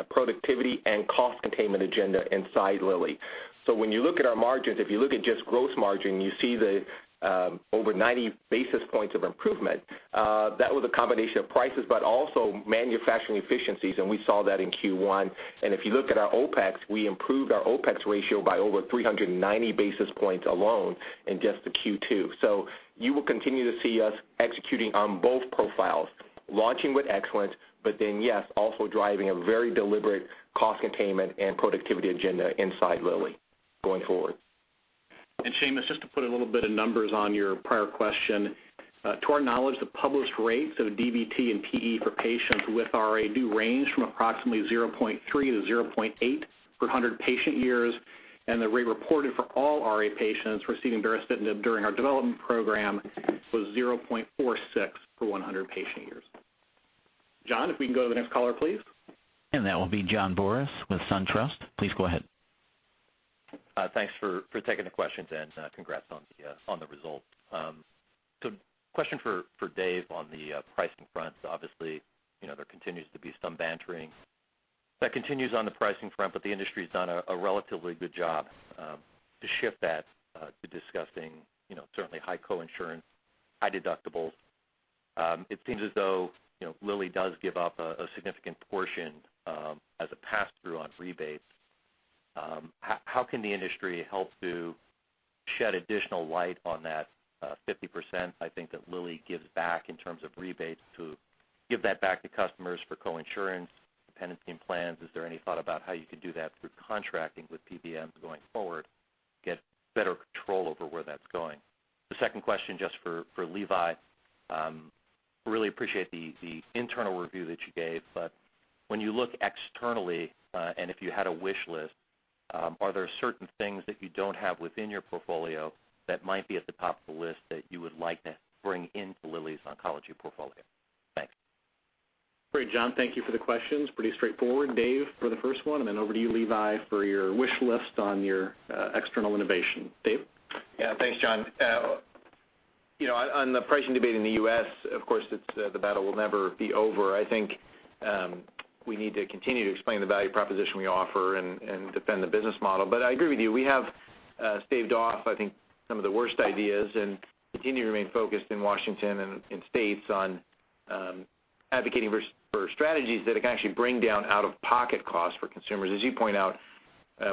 productivity and cost containment agenda inside Lilly. When you look at our margins, if you look at just gross margin, you see the over 90 basis points of improvement. That was a combination of prices, but also manufacturing efficiencies, and we saw that in Q1. If you look at our OPEX, we improved our OPEX ratio by over 390 basis points alone in just the Q2. You will continue to see us executing on both profiles, launching with excellence, but then, yes, also driving a very deliberate cost containment and productivity agenda inside Lilly going forward.
Seamus, just to put a little bit of numbers on your prior question. To our knowledge, the published rates of DVT and PE for patients with RA do range from approximately 0.3-0.8 per 100 patient years, and the rate reported for all RA patients receiving baricitinib during our development program was 0.46 per 100 patient years. John, if we can go to the next caller, please.
That will be John Boris with SunTrust. Please go ahead.
Thanks for taking the questions and congrats on the results. Question for Dave on the pricing front. Obviously, there continues to be some bantering that continues on the pricing front, but the industry's done a relatively good job to shift that to discussing certainly high co-insurance, high deductibles. It seems as though Lilly does give up a significant portion as a pass-through on rebates. How can the industry help to shed additional light on that 50%, I think, that Lilly gives back in terms of rebates to give that back to customers for co-insurance, dependency plans? Is there any thought about how you could do that through contracting with PBMs going forward, get better control over where that's going? The second question, just for Levi. Really appreciate the internal review that you gave, when you look externally and if you had a wish list, are there certain things that you don't have within your portfolio that might be at the top of the list that you would like to bring into Lilly's oncology portfolio? Thanks.
Great, John. Thank you for the questions. Pretty straightforward. Dave, for the first one, then over to you, Levi, for your wish list on your external innovation. Dave?
Yeah, thanks, John. On the pricing debate in the U.S., of course, the battle will never be over. I think we need to continue to explain the value proposition we offer and defend the business model. I agree with you. We have staved off, I think, some of the worst ideas and continue to remain focused in Washington and in states on advocating for strategies that can actually bring down out-of-pocket costs for consumers. As you point out,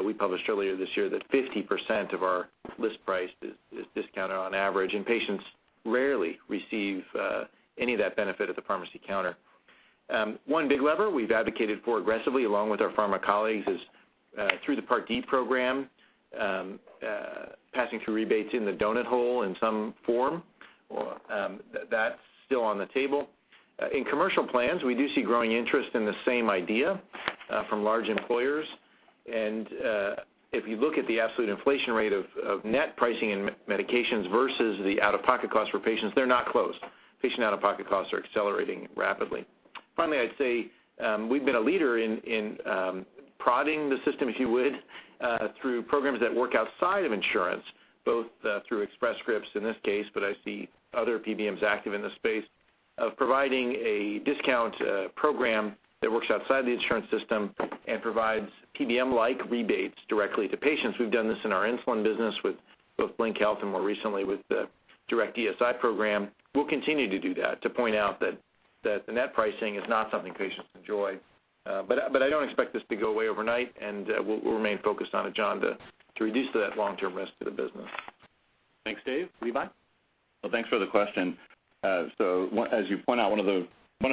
we published earlier this year that 50% of our list price is discounted on average, and patients rarely receive any of that benefit at the pharmacy counter. One big lever we've advocated for aggressively, along with our PhRMA colleagues, is through the Part D program, passing through rebates in the donut hole in some form. That's still on the table. In commercial plans, we do see growing interest in the same idea from large employers. If you look at the absolute inflation rate of net pricing in medications versus the out-of-pocket costs for patients, they're not close. Patient out-of-pocket costs are accelerating rapidly. Finally, I'd say we've been a leader in prodding the system, if you would, through programs that work outside of insurance, both through Express Scripts in this case, but I see other PBMs active in the space, of providing a discount program that works outside the insurance system and provides PBM-like rebates directly to patients. We've done this in our insulin business with both Blink Health and more recently with the direct DSI program. We'll continue to do that to point out that the net pricing is not something patients enjoy. I don't expect this to go away overnight, and we'll remain focused on it, John, to reduce that long-term risk to the business.
Thanks, Dave. Levi?
Well, thanks for the question. As you point out, one of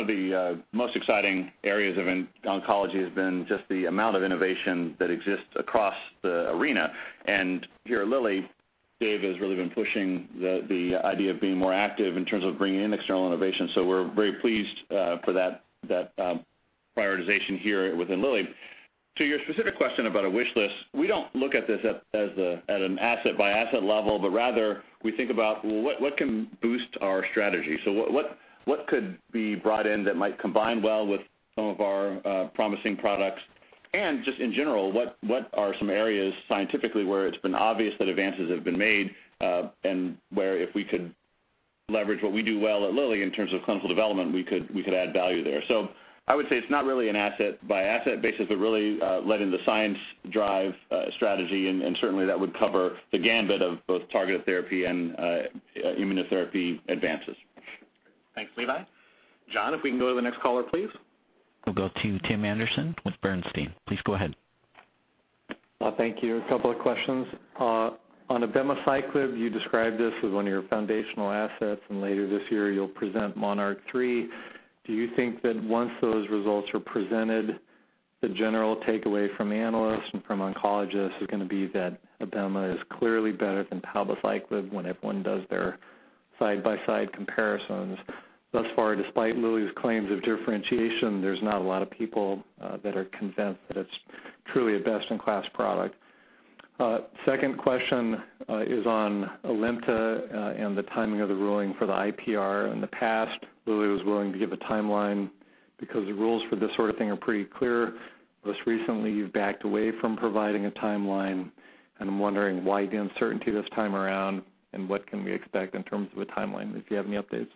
the most exciting areas of oncology has been just the amount of innovation that exists across the arena. Here at Lilly, Dave has really been pushing the idea of being more active in terms of bringing in external innovation. We're very pleased for that prioritization here within Lilly. To your specific question about a wish list, we don't look at this at an asset-by-asset level, but rather, we think about what can boost our strategy. What could be brought in that might combine well with some of our promising products? Just in general, what are some areas scientifically where it's been obvious that advances have been made, and where if we could leverage what we do well at Lilly in terms of clinical development, we could add value there. I would say it's not really an asset-by-asset basis, but really letting the science drive strategy, and certainly that would cover the gambit of both targeted therapy and immunotherapy advances.
Thanks, Levi. John, if we can go to the next caller, please.
We'll go to Tim Anderson with Bernstein. Please go ahead.
Thank you. A couple of questions. On abemaciclib, you described this as one of your foundational assets, and later this year, you'll present MONARCH 3. Do you think that once those results are presented, the general takeaway from analysts and from oncologists is going to be that abema is clearly better than palbociclib when everyone does their side-by-side comparisons? Thus far, despite Lilly's claims of differentiation, there's not a lot of people that are convinced that it's truly a best-in-class product. Second question is on ALIMTA and the timing of the ruling for the IPR. In the past, Lilly was willing to give a timeline because the rules for this sort of thing are pretty clear. Most recently, you've backed away from providing a timeline, and I'm wondering why the uncertainty this time around and what can we expect in terms of a timeline, if you have any updates.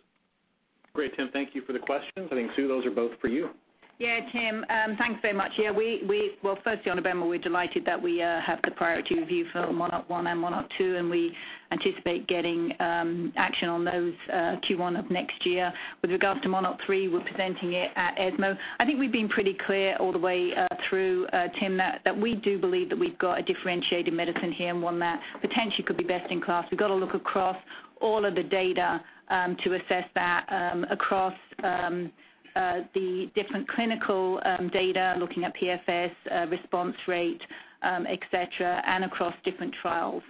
Great, Tim. Thank you for the questions. I think, Sue, those are both for you.
Tim. Thanks very much. Firstly on abema, we're delighted that we have the priority review for MONARCH 1 and MONARCH 2, and we anticipate getting action on those Q1 of next year. With regards to MONARCH 3, we're presenting it at ESMO. I think we've been pretty clear all the way through, Tim, that we do believe that we've got a differentiated medicine here and one that potentially could be best in class. We've got to look across all of the data to assess that, across the different clinical data, looking at PFS, response rate, et cetera, and across different trials.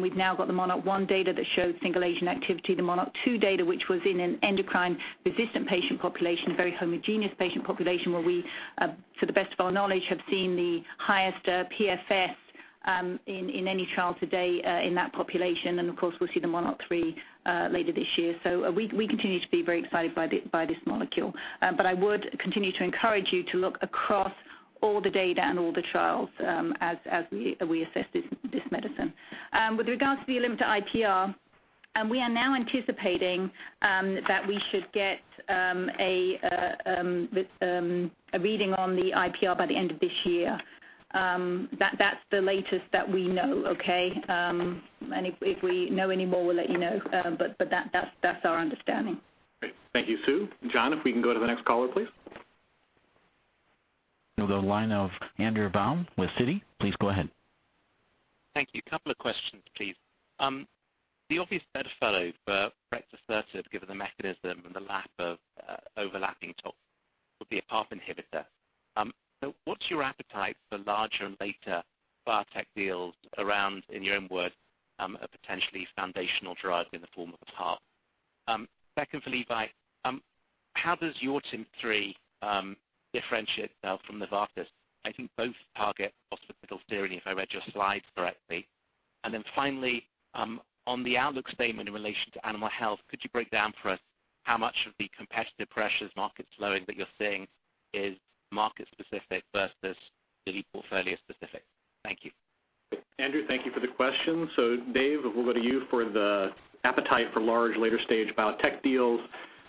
We've now got the MONARCH 1 data that showed single-agent activity, the MONARCH 2 data, which was in an endocrine-resistant patient population, a very homogeneous patient population where we, to the best of our knowledge, have seen the highest PFS In any trial today in that population, and of course, we'll see the MONARCH 3 later this year. We continue to be very excited by this molecule. I would continue to encourage you to look across all the data and all the trials as we assess this medicine. With regards to the ALIMTA IPR, we are now anticipating that we should get a reading on the IPR by the end of this year. That's the latest that we know, okay? If we know any more, we'll let you know. But that's our understanding.
Great. Thank you, Sue. John, if we can go to the next caller, please.
We'll go line of Andrew Baum with Citi. Please go ahead.
Thank you. Couple of questions, please. The obvious bedfellow for prexasertib, given the mechanism and the lack of overlapping tox, would be a PARP inhibitor. What's your appetite for larger and later biotech deals around, in your own words, a potentially foundational drug in the form of a PARP? Secondly, Levi, how does your TIM-3 differentiate itself from Novartis? I think both target, [AUDIO DISTORTION] if I read your slides correctly. Finally, on the outlook statement in relation to Animal Health, could you break down for us how much of the competitive pressures market slowing that you're seeing is market specific versus really portfolio specific? Thank you.
Andrew, thank you for the question. Dave, we'll go to you for the appetite for large later-stage biotech deals.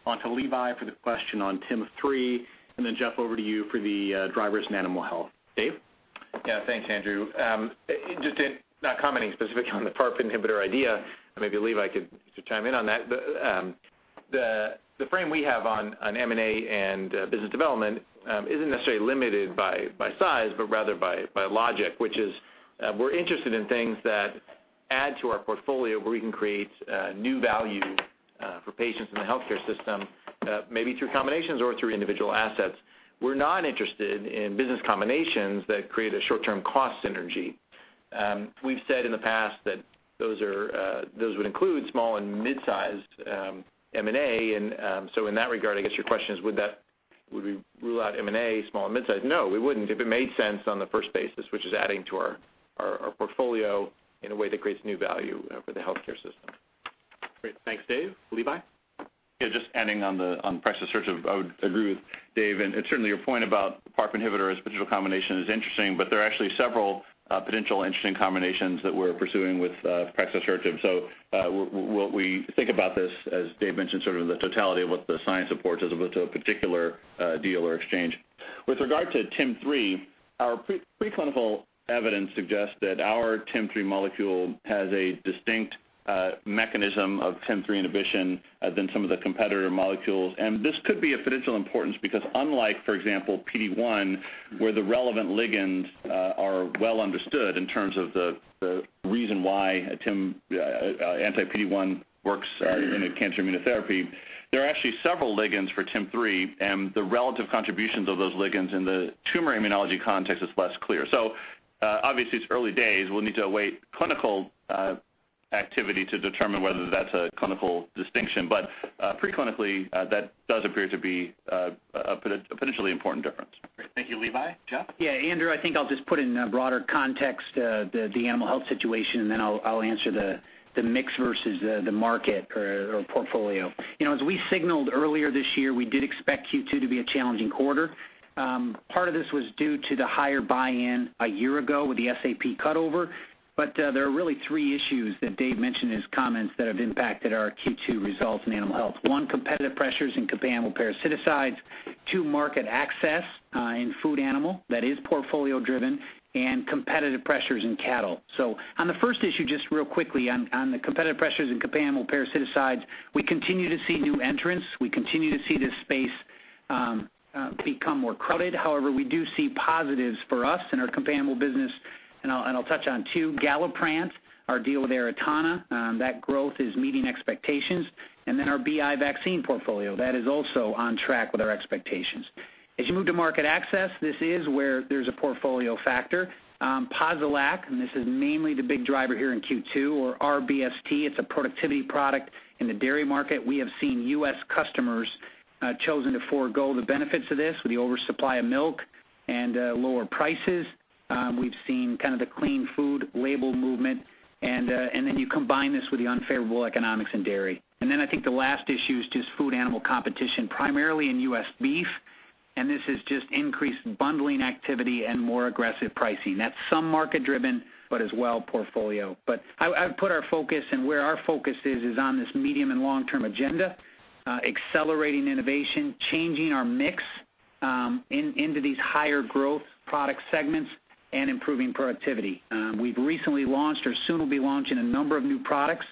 On to Levi for the question on TIM-3, and then Jeff, over to you for the drivers in Animal Health. Dave?
Yeah, thanks, Andrew. Just not commenting specifically on the PARP inhibitor idea, and maybe Levi could chime in on that. The frame we have on M&A and business development isn't necessarily limited by size, but rather by logic, which is we're interested in things that add to our portfolio where we can create new value for patients in the healthcare system maybe through combinations or through individual assets. We're not interested in business combinations that create a short-term cost synergy. We've said in the past that those would include small and mid-sized M&A, in that regard, I guess your question is, would we rule out M&A small and midsize? No, we wouldn't. If it made sense on the first basis, which is adding to our portfolio in a way that creates new value for the healthcare system.
Great. Thanks, Dave. Levi?
Yeah, just adding on the prexasertib, I would agree with Dave, and certainly your point about PARP inhibitor as potential combination is interesting, but there are actually several potential interesting combinations that we're pursuing with prexasertib. What we think about this, as Dave mentioned, sort of the totality of what the science supports as opposed to a particular deal or exchange. With regard to TIM-3, our preclinical evidence suggests that our TIM-3 molecule has a distinct mechanism of TIM-3 inhibition than some of the competitor molecules. This could be of potential importance because unlike, for example, PD-1 where the relevant ligands are well understood in terms of the reason why anti PD-1 works in a cancer immunotherapy, there are actually several ligands for TIM-3, and the relative contributions of those ligands in the tumor immunology context is less clear. Obviously it's early days. We'll need to await clinical activity to determine whether that's a clinical distinction. Preclinically, that does appear to be a potentially important difference.
Great. Thank you, Levi. Jeff?
Andrew, I think I'll just put it in a broader context the animal health situation, then I'll answer the mix versus the market or portfolio. As we signaled earlier this year, we did expect Q2 to be a challenging quarter. Part of this was due to the higher buy-in a year ago with the SAP cutover. There are really three issues that Dave mentioned in his comments that have impacted our Q2 results in Animal Health. One, competitive pressures in companion animal parasiticides, two, market access in food animal that is portfolio-driven, and competitive pressures in cattle. On the first issue, just real quickly on the competitive pressures in companion animal parasiticides, we continue to see new entrants. We continue to see this space become more crowded. However, we do see positives for us in our companion animal business, and I'll touch on two. Galliprant, our deal with Aratana, that growth is meeting expectations. Our BI vaccine portfolio, that is also on track with our expectations. As you move to market access, this is where there's a portfolio factor. Posilac, and this is mainly the big driver here in Q2, or rBST, it's a productivity product in the dairy market. We have seen U.S. customers chosen to forego the benefits of this with the oversupply of milk and lower prices. We've seen kind of the clean food label movement, then you combine this with the unfavorable economics in dairy. I think the last issue is just food animal competition, primarily in U.S. beef, and this is just increased bundling activity and more aggressive pricing. That's some market-driven, but as well portfolio. I've put our focus and where our focus is on this medium and long-term agenda, accelerating innovation, changing our mix into these higher growth product segments and improving productivity. We've recently launched or soon will be launching a number of new products.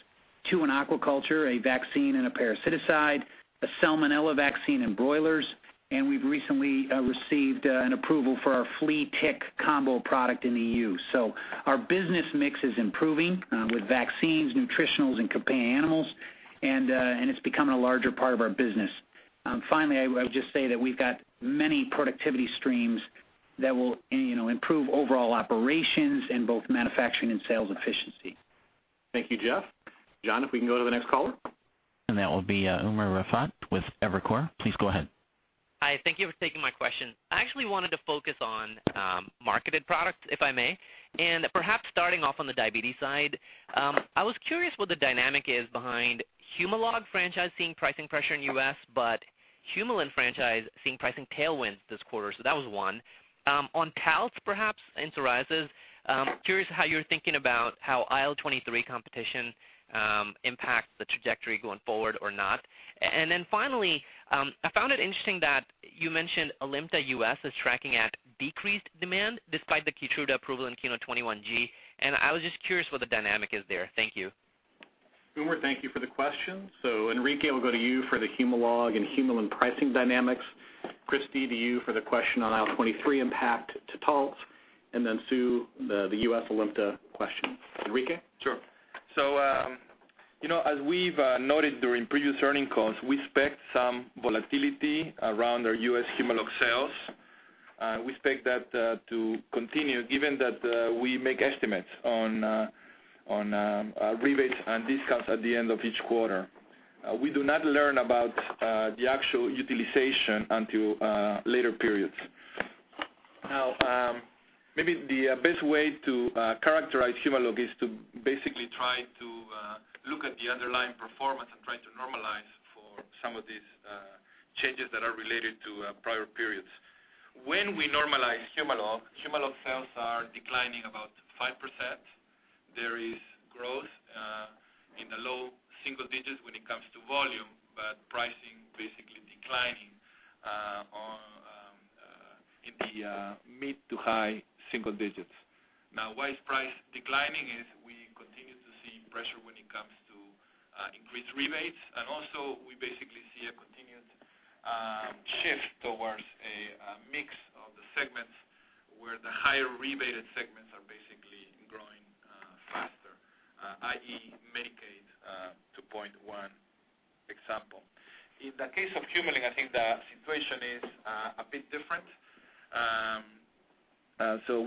Two in aquaculture, a vaccine and a parasiticide, a Salmonella vaccine in broilers, and we've recently received an approval for our flea tick combo product in the EU. Our business mix is improving with vaccines, nutritionals, and companion animals, and it's becoming a larger part of our business. Finally, I would just say that we've got many productivity streams that will improve overall operations in both manufacturing and sales efficiency.
Thank you, Jeff. John, if we can go to the next caller.
That will be Umer Raffat with Evercore. Please go ahead.
Hi. Thank you for taking my question. I actually wanted to focus on marketed products, if I may, and perhaps starting off on the diabetes side. I was curious what the dynamic is behind Humalog franchise seeing pricing pressure in U.S., but Humulin franchise seeing pricing tailwinds this quarter. That was one. On Taltz, perhaps, and mirikizumab, curious how you're thinking about how IL-23 competition impacts the trajectory going forward or not. Finally, I found it interesting that you mentioned ALIMTA U.S. is tracking at decreased demand despite the KEYTRUDA approval in KEYNOTE-021G, and I was just curious what the dynamic is there. Thank you.
Umer, thank you for the question. Enrique, we'll go to you for the Humalog and Humulin pricing dynamics. Christi, to you for the question on IL-23 impact to Taltz, Sue, the U.S. ALIMTA question. Enrique?
Sure. As we've noted during previous earnings calls, we expect some volatility around our U.S. Humalog sales. We expect that to continue given that we make estimates on rebates and discounts at the end of each quarter. We do not learn about the actual utilization until later periods. Now, maybe the best way to characterize Humalog is to basically try to look at the underlying performance and try to normalize for some of these changes that are related to prior periods. When we normalize Humalog sales are declining about 5%. There is growth in the low single digits when it comes to volume, but pricing basically declining in the mid to high single digits. Why it's price declining is we continue to see pressure when it comes to increased rebates, and also we basically see a continued shift towards a mix of the segments where the higher rebated segments are basically growing faster. I.e., Medicaid 2.1 example. In the case of Humulin, I think the situation is a bit different.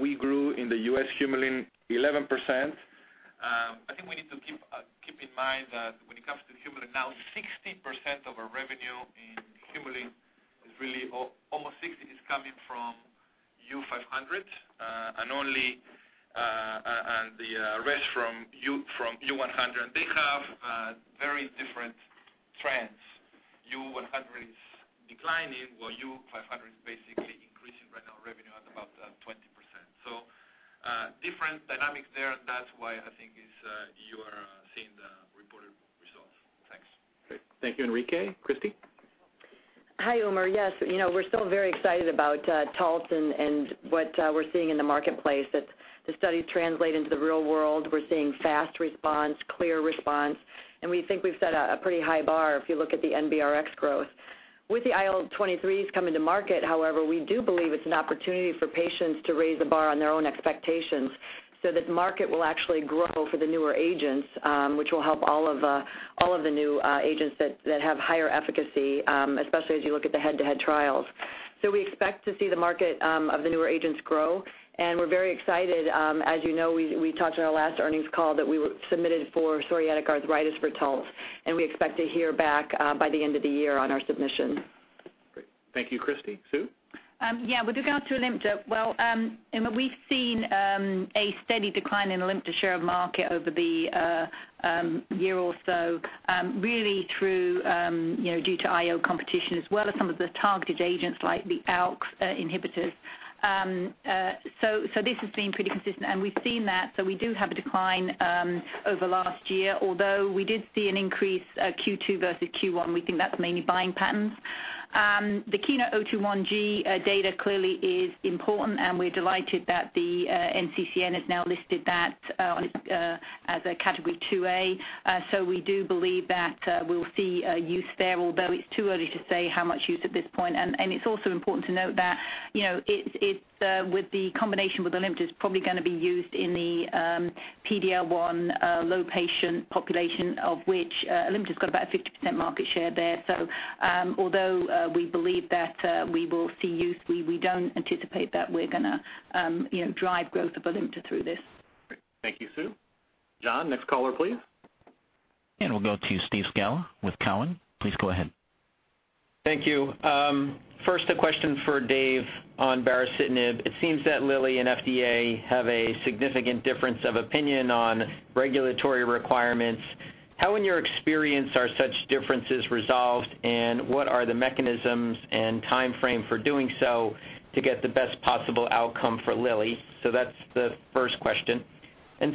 We grew in the U.S. Humulin 11%. I think we need to keep in mind that when it comes to Humulin now, 60% of our revenue in Humulin is really almost 60 is coming from U-500, and the rest from U-100. They have very different trends. U-100 is declining, while U-500 is basically increasing right now revenue at about 20%. Different dynamics there. That's why I think is you are seeing the reported results. Thanks.
Great. Thank you, Enrique. Christi?
Hi, Umer. Yes, we're still very excited about Taltz and what we're seeing in the marketplace that the studies translate into the real world. We're seeing fast response, clear response, and we think we've set a pretty high bar if you look at the NBRx growth. With the IL-23s coming to market, however, we do believe it's an opportunity for patients to raise the bar on their own expectations that market will actually grow for the newer agents, which will help all of the new agents that have higher efficacy, especially as you look at the head-to-head trials. We expect to see the market of the newer agents grow, and we're very excited. As you know, we talked on our last earnings call that we submitted for psoriatic arthritis for Taltz, and we expect to hear back by the end of the year on our submission.
Great. Thank you, Christi. Susan?
Yeah. With regard to ALIMTA, well, Umer, we've seen a steady decline in ALIMTA share of market over the year or so, really due to IO competition as well as some of the targeted agents like the ALK inhibitors. This has been pretty consistent, and we've seen that. We do have a decline over last year, although we did see an increase Q2 versus Q1. We think that's mainly buying patterns. The KEYNOTE-021G data clearly is important, and we're delighted that the NCCN has now listed that as a category 2A. We do believe that we'll see use there, although it's too early to say how much use at this point. It's also important to note that with the combination with ALIMTA, it's probably going to be used in the PD-L1 low patient population, of which ALIMTA's got about a 50% market share there. Although we believe that we will see use, we don't anticipate that we're going to drive growth of ALIMTA through this.
Great. Thank you, Susan. John, next caller, please.
We'll go to Steve Scala with Cowen. Please go ahead.
Thank you. First, a question for Dave on baricitinib. It seems that Lilly and FDA have a significant difference of opinion on regulatory requirements. How, in your experience, are such differences resolved, and what are the mechanisms and timeframe for doing so to get the best possible outcome for Lilly? That's the first question.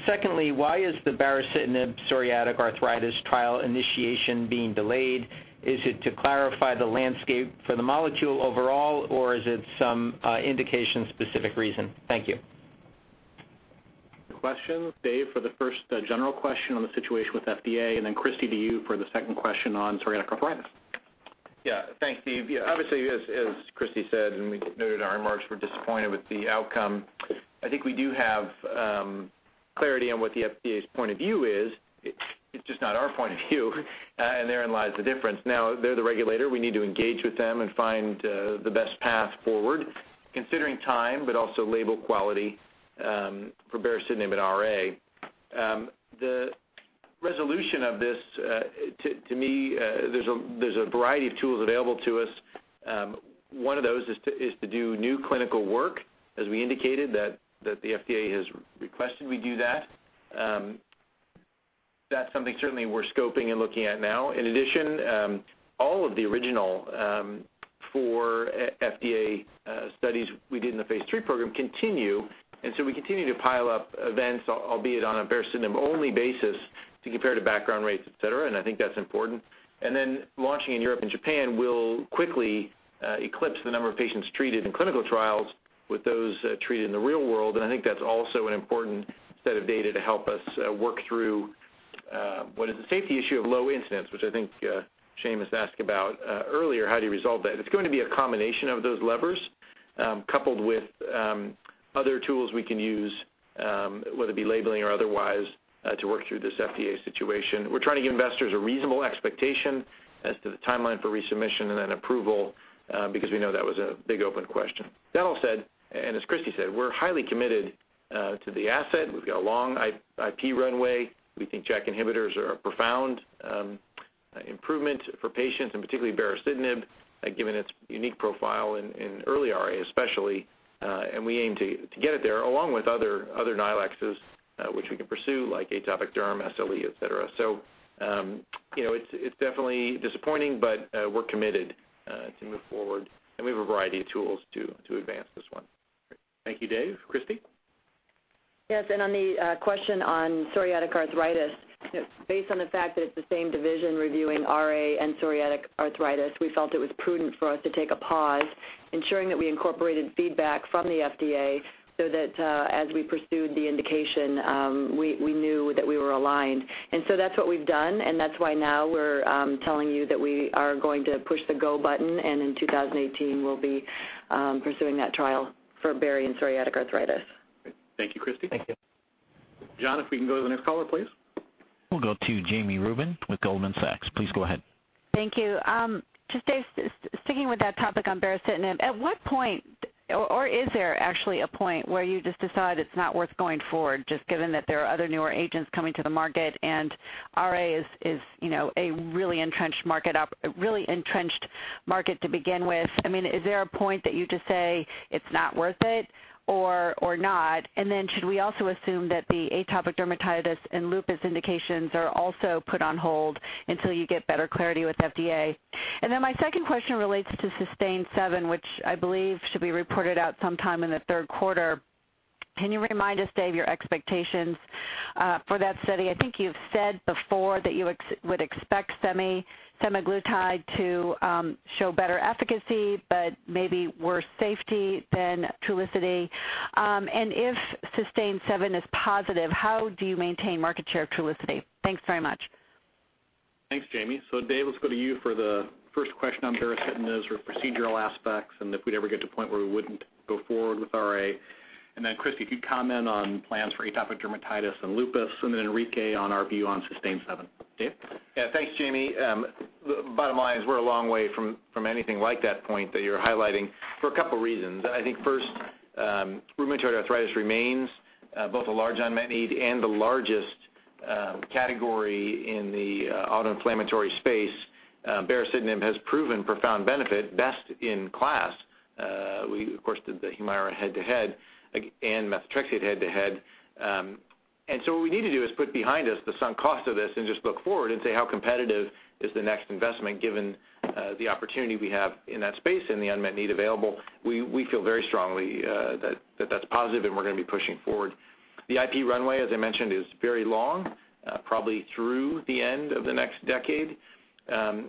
Secondly, why is the baricitinib psoriatic arthritis trial initiation being delayed? Is it to clarify the landscape for the molecule overall, or is it some indication-specific reason? Thank you.
Questions, Dave, for the first general question on the situation with FDA, and then Christi, to you for the second question on psoriatic arthritis.
Yeah. Thanks, Steve. Obviously, as Christi said, and we noted in our remarks, we're disappointed with the outcome. I think we do have clarity on what the FDA's point of view is. It's just not our point of view and therein lies the difference. Now, they're the regulator. We need to engage with them and find the best path forward considering time, but also label quality For baricitinib and RA. The resolution of this, to me, there's a variety of tools available to us. One of those is to do new clinical work, as we indicated, that the FDA has requested we do that. That's something certainly we're scoping and looking at now. In addition, all of the original four FDA studies we did in the phase III program continue. We continue to pile up events, albeit on a baricitinib-only basis, to compare to background rates, et cetera. I think that's important. Launching in Europe and Japan will quickly eclipse the number of patients treated in clinical trials with those treated in the real world. I think that's also an important set of data to help us work through what is a safety issue of low incidence, which I think Seamus asked about earlier, how do you resolve that? It's going to be a combination of those levers, coupled with other tools we can use, whether it be labeling or otherwise, to work through this FDA situation. We're trying to give investors a reasonable expectation as to the timeline for resubmission and then approval, because we know that was a big open question. That all said, as Christi said, we're highly committed to the asset. We've got a long IP runway. We think JAK inhibitors are a profound improvement for patients, and particularly baricitinib, given its unique profile in early RA, especially. We aim to get it there, along with other indications, which we can pursue, like atopic derm, SLE, et cetera. It's definitely disappointing, but we're committed to move forward. We have a variety of tools to advance this one.
Thank you, Dave. Christi?
Yes, on the question on psoriatic arthritis, based on the fact that it's the same division reviewing RA and psoriatic arthritis, we felt it was prudent for us to take a pause, ensuring that we incorporated feedback from the FDA so that as we pursued the indication, we knew that we were aligned. That's what we've done. That's why now we're telling you that we are going to push the go button. In 2018, we'll be pursuing that trial for bari and psoriatic arthritis.
Thank you, Christi.
Thank you.
John, if we can go to the next caller, please.
We'll go to Jami Rubin with Goldman Sachs. Please go ahead.
Thank you. Just Dave, sticking with that topic on baricitinib, at what point, or is there actually a point, where you just decide it's not worth going forward, just given that there are other newer agents coming to the market and RA is a really entrenched market to begin with? Is there a point that you just say it's not worth it or not? Should we also assume that the atopic dermatitis and lupus indications are also put on hold until you get better clarity with FDA? My second question relates to SUSTAIN 7, which I believe should be reported out sometime in the third quarter. Can you remind us, Dave, your expectations for that study? I think you've said before that you would expect semaglutide to show better efficacy, but maybe worse safety than Trulicity. If SUSTAIN 7 is positive, how do you maintain market share of Trulicity? Thanks very much.
Thanks, Jami. Dave, let's go to you for the first question on baricitinib's sort of procedural aspects and if we'd ever get to a point where we wouldn't go forward with RA. Christi, if you'd comment on plans for atopic dermatitis and lupus, and then Enrique on our view on SUSTAIN 7. Dave?
Yeah. Thanks, Jami. Bottom line is we're a long way from anything like that point that you're highlighting for a couple reasons. I think first, rheumatoid arthritis remains both a large unmet need and the largest category in the autoinflammatory space. baricitinib has proven profound benefit, best in class. We of course did the HUMIRA head-to-head and methotrexate head-to-head. What we need to do is put behind us the sunk cost of this and just look forward and say how competitive is the next investment, given the opportunity we have in that space and the unmet need available. We feel very strongly that that's positive and we're going to be pushing forward. The IP runway, as I mentioned, is very long, probably through the end of the next decade. The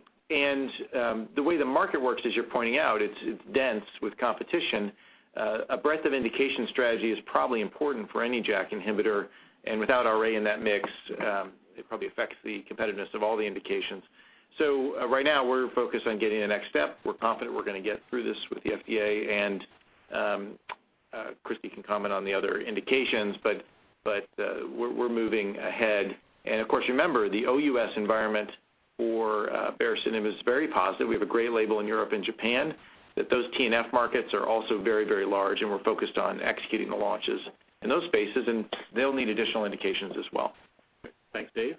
way the market works, as you're pointing out, it's dense with competition. A breadth of indication strategy is probably important for any JAK inhibitor. Without RA in that mix, it probably affects the competitiveness of all the indications. Right now, we're focused on getting the next step. We're confident we're going to get through this with the FDA, and Christi can comment on the other indications. We're moving ahead. Of course, remember, the OUS environment for baricitinib is very positive. We have a great label in Europe and Japan, that those TNF markets are also very, very large, and we're focused on executing the launches in those spaces, and they'll need additional indications as well.
Thanks, Dave.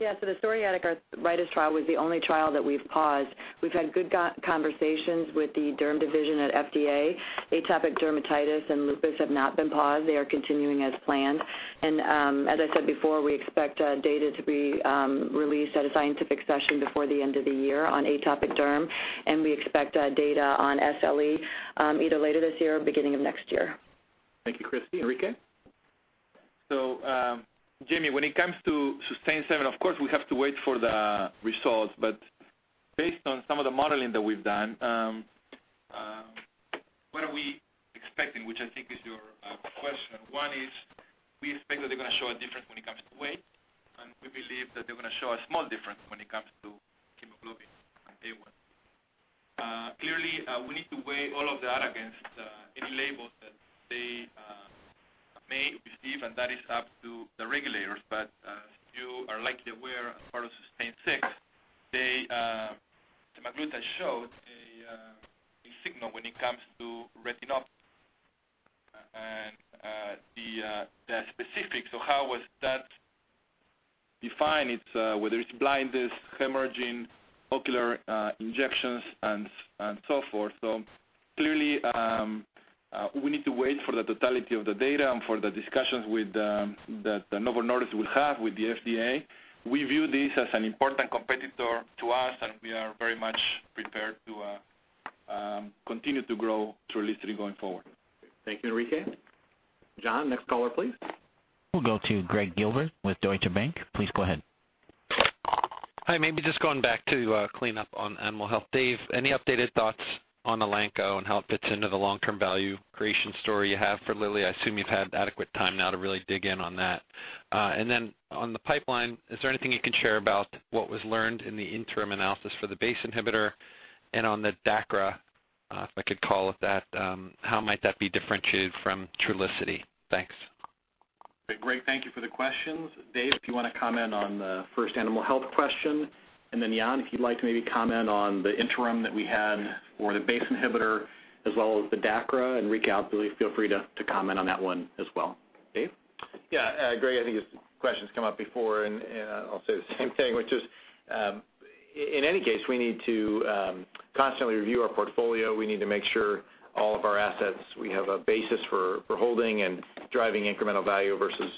Christi?
The psoriatic arthritis trial was the only trial that we've paused. We've had good conversations with the derm division at FDA. Atopic dermatitis and lupus have not been paused. They are continuing as planned. As I said before, we expect data to be released at a scientific session before the end of the year on atopic derm, and we expect data on SLE either later this year or beginning of next year.
Thank you, Christi. Enrique?
Jami, when it comes to SUSTAIN 7, of course, we have to wait for the results. Based on some of the modeling that we've done, what are we expecting, which I think is your question. One is, we expect that they're going to show a difference when it comes to weight, and we believe that they're going to show a small difference when it comes to hemoglobin A1C. Clearly, we need to weigh all of that against any labels that they may receive, and that is up to the regulators. As you are likely aware, as part of SUSTAIN 6, semaglutide showed a signal when it comes to retina, and the specifics of how was that defined, whether it's blindness, hemorrhaging, ocular injections, and so forth. Clearly, we need to wait for the totality of the data and for the discussions that Novo Nordisk will have with the FDA. We view this as an important competitor to us, and we are very much prepared to continue to grow Trulicity going forward.
Thank you, Enrique. John, next caller, please.
We'll go to Gregg Gilbert with Deutsche Bank. Please go ahead.
Hi. Maybe just going back to clean up on animal health. Dave, any updated thoughts on Elanco and how it fits into the long-term value creation story you have for Lilly? I assume you've had adequate time now to really dig in on that. On the pipeline, is there anything you can share about what was learned in the interim analysis for the BACE inhibitor? On the DACRA, if I could call it that, how might that be differentiated from Trulicity? Thanks.
Great. Thank you for the questions. Dave, if you want to comment on the first animal health question, Jan, if you'd like to maybe comment on the interim that we had for the BACE inhibitor as well as the DACRA, Enrique, absolutely feel free to comment on that one as well. Dave?
Yeah, Greg, I think this question's come up before, I'll say the same thing, which is, in any case, we need to constantly review our portfolio. We need to make sure all of our assets, we have a basis for holding and driving incremental value versus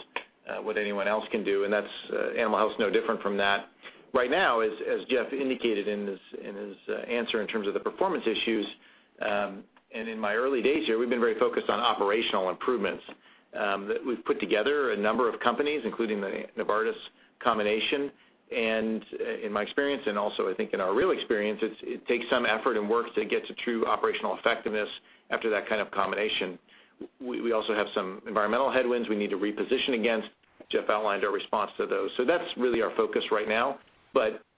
what anyone else can do. Animal health is no different from that. Right now, as Jeff indicated in his answer in terms of the performance issues, in my early days here, we've been very focused on operational improvements. That we've put together a number of companies, including the Novartis combination. In my experience, I think in our real experience, it takes some effort and work to get to true operational effectiveness after that kind of combination. We also have some environmental headwinds we need to reposition against. Jeff outlined our response to those. That's really our focus right now,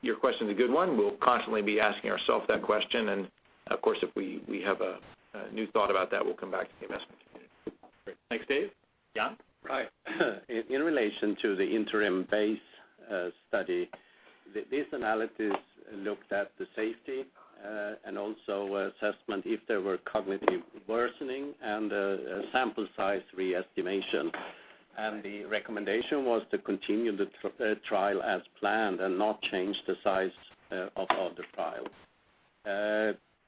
your question's a good one. We'll constantly be asking ourselves that question, of course, if we have a new thought about that, we'll come back to the investment community.
Great. Thanks, Dave. Jan?
Hi. In relation to the interim BACE study, these analyses looked at the safety, also assessment if there were cognitive worsening and sample size re-estimation. The recommendation was to continue the trial as planned and not change the size of the trial.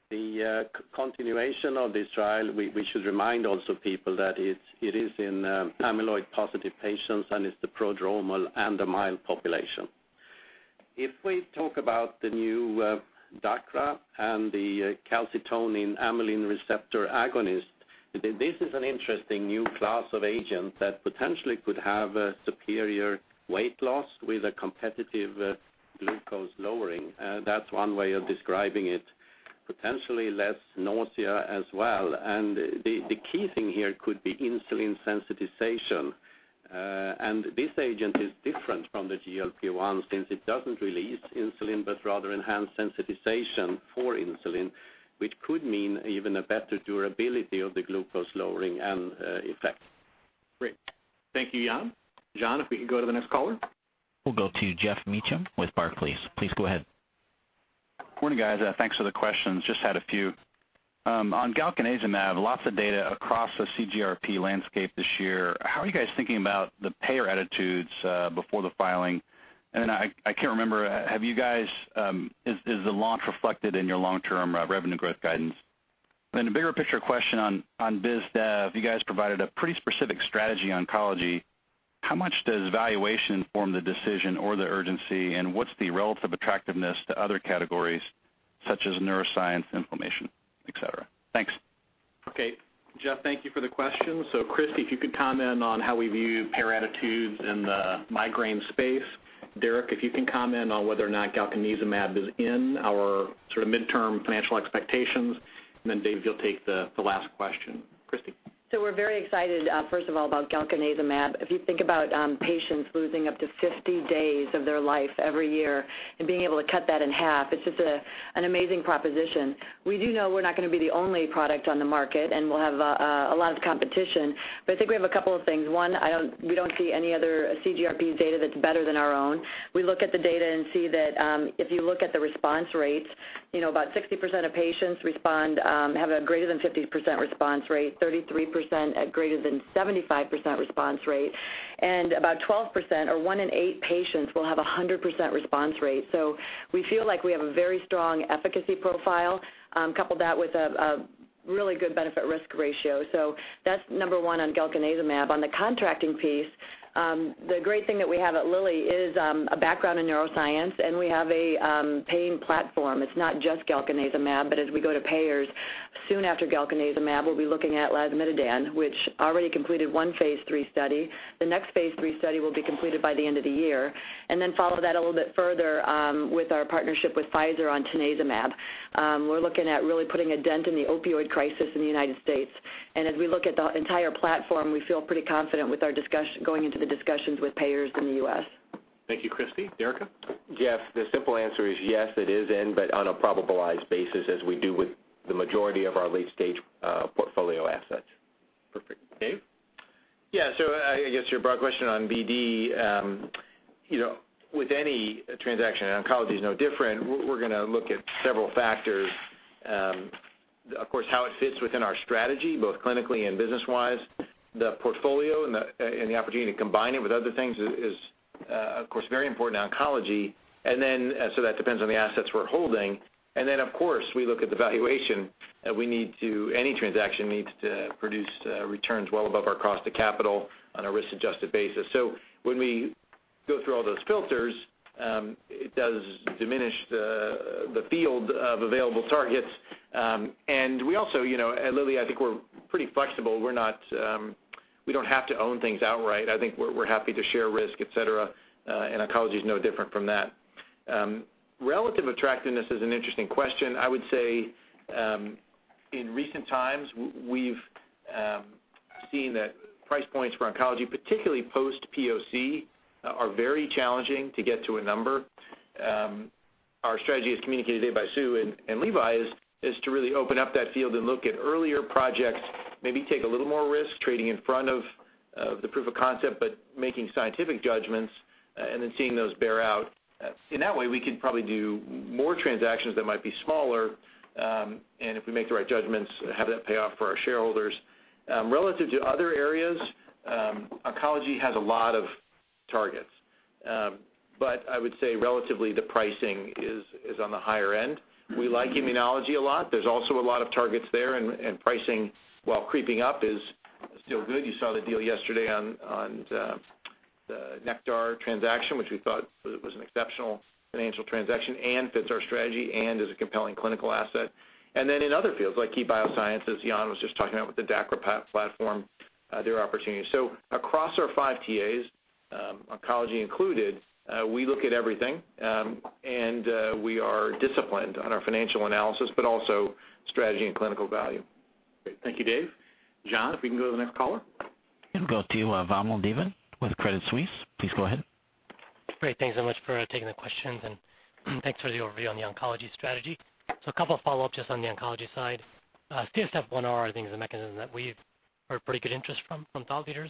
The continuation of this trial, we should remind also people that it is in amyloid-positive patients and is the prodromal and the mild population. If we talk about the new DACRA and the calcitonin amylin receptor agonist, this is an interesting new class of agent that potentially could have a superior weight loss with a competitive glucose lowering. That's one way of describing it. Potentially less nausea as well. The key thing here could be insulin sensitization. This agent is different from the GLP-1 since it doesn't release insulin, but rather enhance sensitization for insulin, which could mean even a better durability of the glucose-lowering end effect.
Great. Thank you, Jan. John, if we can go to the next caller.
We'll go to Geoff Meacham with Barclays. Please go ahead.
Morning, guys. Thanks for the questions. Just had a few. On galcanezumab, lots of data across the CGRP landscape this year. How are you guys thinking about the payer attitudes before the filing? I can't remember. Is the launch reflected in your long-term revenue growth guidance? A bigger picture question on biz dev. You guys provided a pretty specific strategy on oncology. How much does valuation form the decision or the urgency, and what's the relative attractiveness to other categories such as neuroscience, inflammation, et cetera? Thanks.
Okay. Geoff, thank you for the questions. Christi, if you could comment on how we view payer attitudes in the migraine space. Derica, if you can comment on whether or not galcanezumab is in our sort of midterm financial expectations. Dave, you'll take the last question. Christi?
We're very excited, first of all, about galcanezumab. If you think about patients losing up to 50 days of their life every year and being able to cut that in half, it's just an amazing proposition. We do know we're not going to be the only product on the market, and we'll have a lot of competition. I think we have a couple of things. One, we don't see any other CGRP data that's better than our own. We look at the data and see that if you look at the response rates, about 60% of patients respond, have a greater than 50% response rate, 33% at greater than 75% response rate, and about 12% or one in eight patients will have 100% response rate. We feel like we have a very strong efficacy profile. Couple that with a really good benefit-risk ratio. That's number one on galcanezumab. On the contracting piece, the great thing that we have at Lilly is a background in neuroscience, and we have a pain platform. It's not just galcanezumab, but as we go to payers soon after galcanezumab, we'll be looking at lasmiditan, which already completed one phase III study. The next phase III study will be completed by the end of the year, then follow that a little bit further with our partnership with Pfizer on tanezumab. We're looking at really putting a dent in the opioid crisis in the U.S. As we look at the entire platform, we feel pretty confident going into the discussions with payers in the U.S.
Thank you, Christi. Derica?
Geoff, the simple answer is yes, it is in, but on a probabilized basis as we do with the majority of our late-stage portfolio assets.
Perfect. Dave?
I guess your broad question on BD, with any transaction, and oncology is no different, we're going to look at several factors. Of course, how it fits within our strategy, both clinically and business-wise, the portfolio and the opportunity to combine it with other things is, of course, very important in oncology. That depends on the assets we're holding, and then, of course, we look at the valuation that any transaction needs to produce returns well above our cost to capital on a risk-adjusted basis. When we go through all those filters, it does diminish the field of available targets. We also, at Lilly, I think we're pretty flexible. We don't have to own things outright. I think we're happy to share risk, et cetera, and oncology is no different from that. Relative attractiveness is an interesting question. I would say, in recent times, we've seen that price points for oncology, particularly post-POC, are very challenging to get to a number. Our strategy, as communicated today by Sue and Levi, is to really open up that field and look at earlier projects, maybe take a little more risk trading in front of the proof of concept, but making scientific judgments and then seeing those bear out. In that way, we could probably do more transactions that might be smaller, and if we make the right judgments, have that pay off for our shareholders. Relative to other areas, oncology has a lot of targets. I would say relatively, the pricing is on the higher end. We like immunology a lot. There's also a lot of targets there, and pricing, while creeping up, is still good. You saw the deal yesterday on the Nektar transaction, which we thought was an exceptional financial transaction and fits our strategy and is a compelling clinical asset. In other fields, like KeyBioscience, Jan was just talking about with the DACRA platform, their opportunities. Across our 5 TAs, oncology included, we look at everything, and we are disciplined on our financial analysis, but also strategy and clinical value.
Great. Thank you, Dave. John, if we can go to the next caller.
We'll go to Vamil Divan with Credit Suisse. Please go ahead.
Great. Thanks so much for taking the questions, and thanks for the overview on the oncology strategy. A couple follow-ups just on the oncology side. CSF1R, I think, is a mechanism that we've heard pretty good interest from thought leaders.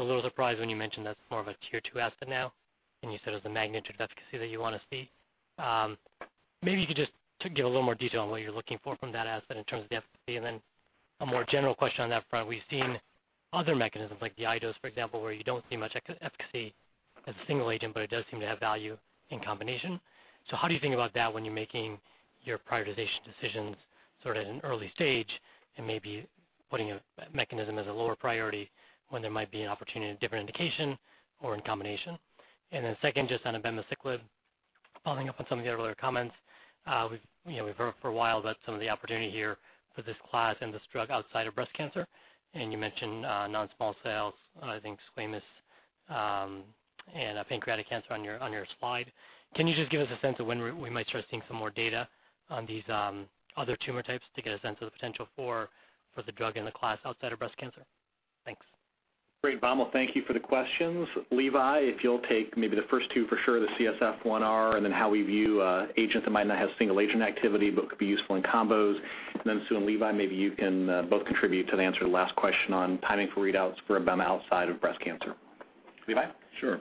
A little surprised when you mentioned that's more of a tier 2 asset now, and you said it was the magnitude of efficacy that you want to see. Maybe you could just give a little more detail on what you're looking for from that asset in terms of the efficacy, and then a more general question on that front. We've seen other mechanisms like the IDOs, for example, where you don't see much efficacy as a single agent, but it does seem to have value in combination. How do you think about that when you're making your prioritization decisions sort of in early stage and maybe putting a mechanism as a lower priority when there might be an opportunity in a different indication or in combination? Second, just on abemaciclib, following up on some of the earlier comments. We've heard for a while about some of the opportunity here for this class and this drug outside of breast cancer, and you mentioned non-small cells, I think squamous and pancreatic cancer on your slide. Can you just give us a sense of when we might start seeing some more data on these other tumor types to get a sense of the potential for the drug and the class outside of breast cancer? Thanks.
Great, Vamil. Thank you for the questions. Levi, if you'll take maybe the first 2 for sure, the CSF1R and then how we view agents that might not have single agent activity but could be useful in combos. Sue and Levi, maybe you can both contribute to the answer to the last question on timing for readouts for abema outside of breast cancer. Levi?
Sure.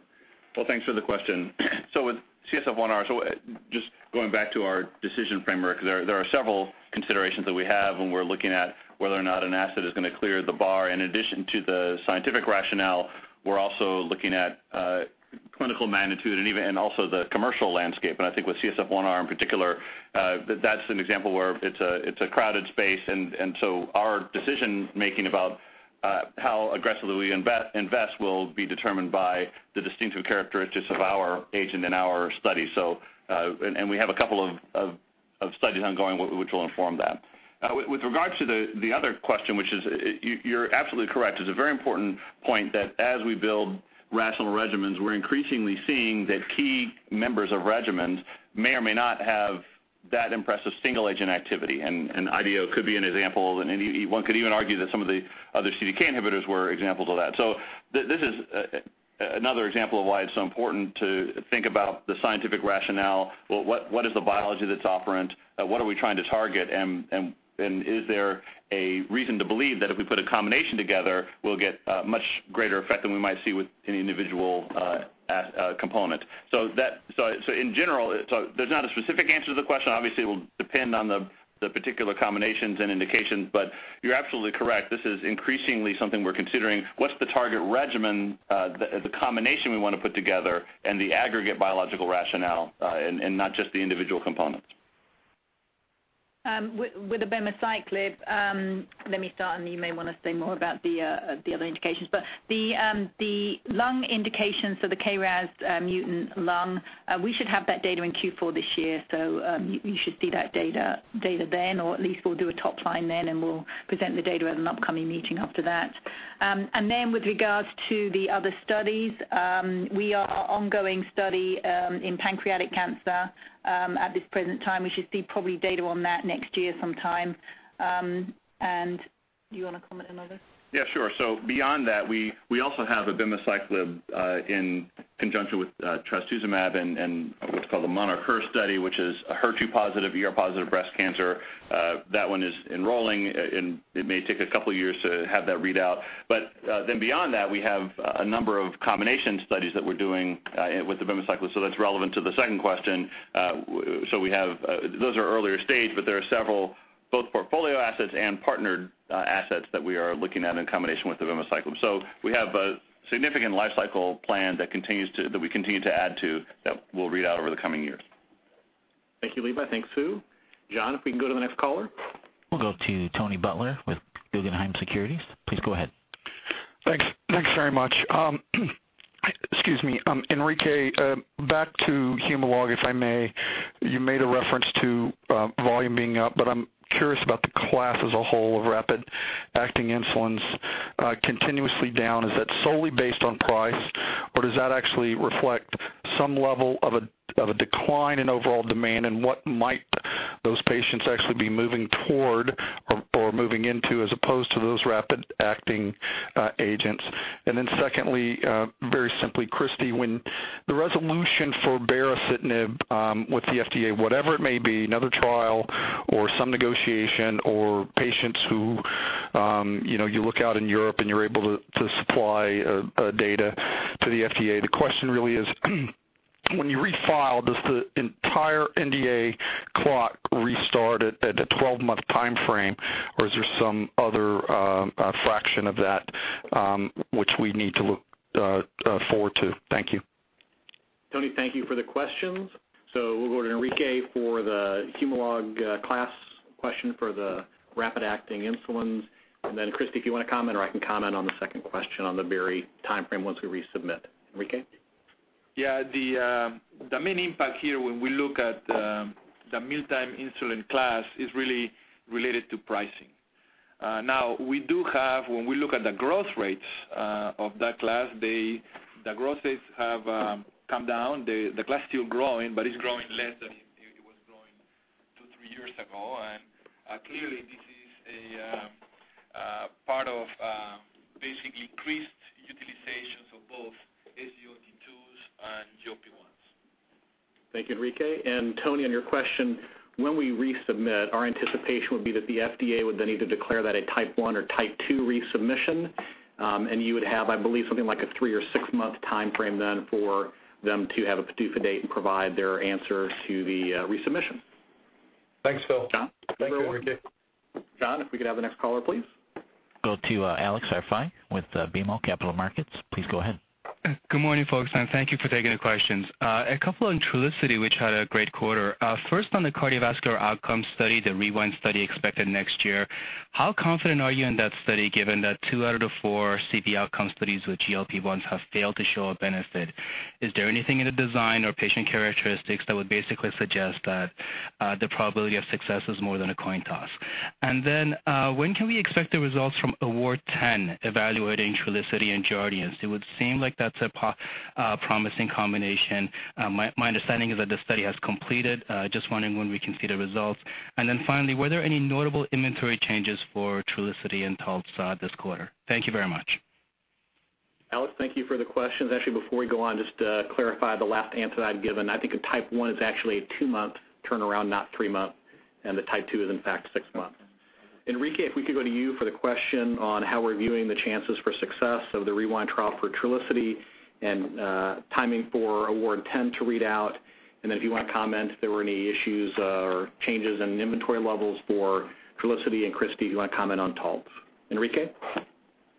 Well, thanks for the question. With CSF1R, just going back to our decision framework, there are several considerations that we have when we are looking at whether or not an asset is going to clear the bar. In addition to the scientific rationale, we are also looking at clinical magnitude and also the commercial landscape. I think with CSF1R in particular, that is an example where it is a crowded space, and so our decision-making about how aggressively we invest will be determined by the distinctive characteristics of our agent and our study. We have a couple of studies ongoing which will inform that. With regards to the other question, you are absolutely correct. It is a very important point that as we build rational regimens, we are increasingly seeing that key members of regimens may or may not have that impressive single-agent activity, IDO could be an example, and one could even argue that some of the other CDK inhibitors were examples of that. This is another example of why it is so important to think about the scientific rationale. What is the biology that is operant? What are we trying to target? Is there a reason to believe that if we put a combination together, we will get a much greater effect than we might see with any individual component? In general, there is not a specific answer to the question. Obviously, it will depend on the particular combinations and indications, but you are absolutely correct. This is increasingly something we are considering. What is the target regimen, the combination we want to put together, and the aggregate biological rationale, and not just the individual components?
With abemaciclib, let me start, and you may want to say more about the other indications, but the lung indications for the KRAS mutant lung, we should have that data in Q4 this year. You should see that data then, or at least we will do a top line then, and we will present the data at an upcoming meeting after that. With regards to the other studies, we are ongoing study in pancreatic cancer at this present time. We should see probably data on that next year sometime.
Do you want to comment in on this?
Yeah, sure. Beyond that, we also have abemaciclib in conjunction with trastuzumab in what's called the monarcHER study, which is a HER2-positive, ER-positive breast cancer. That one is enrolling, and it may take a couple of years to have that readout. Beyond that, we have a number of combination studies that we're doing with abemaciclib, that's relevant to the second question. Those are earlier stage, but there are several both portfolio assets and partnered assets that we are looking at in combination with abemaciclib. We have a significant life cycle plan that we continue to add to that we'll read out over the coming years.
Thank you, Levi. Thanks, Sue. John, if we can go to the next caller.
We'll go to Tony Butler with Guggenheim Securities. Please go ahead.
Thanks very much. Excuse me. Enrique, back to Humalog, if I may. You made a reference to volume being up, but I'm curious about the class as a whole of rapid-acting insulins continuously down. Is that solely based on price, or does that actually reflect some level of a decline in overall demand? What might those patients actually be moving toward or moving into as opposed to those rapid-acting agents? Secondly, very simply, Christi, when the resolution for baricitinib with the FDA, whatever it may be, another trial or some negotiation or patients who you look out in Europe and you're able to supply data to the FDA. The question really is when you refile, does the entire NDA clock restart at the 12-month timeframe, or is there some other fraction of that which we need to look forward to? Thank you.
Tony, thank you for the questions. We'll go to Enrique for the Humalog class question for the rapid-acting insulins. Christi, if you want to comment, or I can comment on the second question on the bari timeframe once we resubmit. Enrique?
Yeah. The main impact here when we look at the mealtime insulin class is really related to pricing. Now, we do have, when we look at the growth rates of that class, the growth rates have come down. The class is still growing, but it's growing less than it was growing two, three years ago. Clearly, this is a part of basically increased utilizations of both SGLT2s and GLP-1s.
Thank you, Enrique. Tony, on your question, when we resubmit, our anticipation would be that the FDA would then either declare that a Type 1 or Type 2 resubmission. You would have, I believe, something like a three or six-month timeframe then for them to have a PDUFA date and provide their answer to the resubmission.
Thanks, Phil.
John? Thanks, Enrique. John, if we could have the next caller, please.
Go to Alex Arfaei with BMO Capital Markets. Please go ahead.
Good morning, folks, and thank you for taking the questions. A couple on Trulicity, which had a great quarter. First, on the cardiovascular outcome study, the REWIND study expected next year, how confident are you in that study given that two out of the four CV outcome studies with GLP-1s have failed to show a benefit? Is there anything in the design or patient characteristics that would basically suggest that the probability of success is more than a coin toss? When can we expect the results from AWARD-10 evaluating Trulicity and JARDIANCE? It would seem like that's a promising combination. My understanding is that the study has completed. Just wondering when we can see the results. Finally, were there any notable inventory changes for Trulicity and Taltz this quarter? Thank you very much.
Alex, thank you for the questions. Actually, before we go on, just to clarify the last answer that I'd given, I think a Type 1 is actually a two-month turnaround, not three-month, and the Type 2 is, in fact, six months. Enrique, if we could go to you for the question on how we're viewing the chances for success of the REWIND trial for Trulicity and timing for AWARD-10 to read out. If you want to comment if there were any issues or changes in inventory levels for Trulicity, and Christi, if you want to comment on Taltz. Enrique?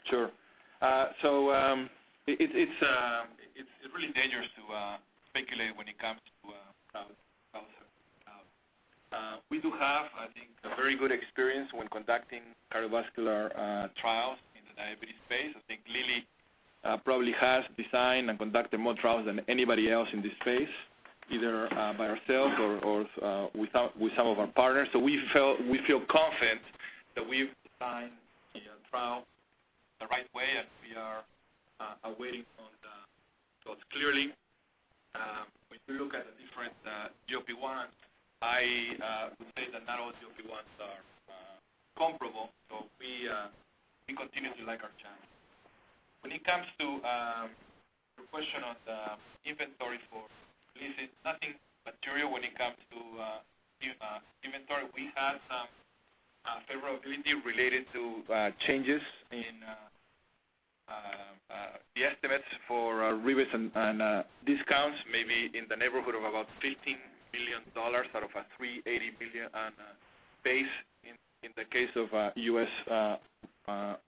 Sure. It's really dangerous to speculate when it comes to. We do have, I think, a very good experience when conducting cardiovascular trials in the diabetes space. I think Lilly probably has designed and conducted more trials than anybody else in this space, either by ourselves or with some of our partners. We feel confident that we've designed the trials the right way, and we are awaiting on the results. Clearly, when you look at the different GLP-1, I would say that not all GLP-1s are comparable. We continue to like our chances. When it comes to your question on the inventory for Trulicity, nothing material when it comes to inventory. We had some variability related to changes in the estimates for rebates and discounts, maybe in the neighborhood of about $15 million out of a $380 million base in the case of U.S.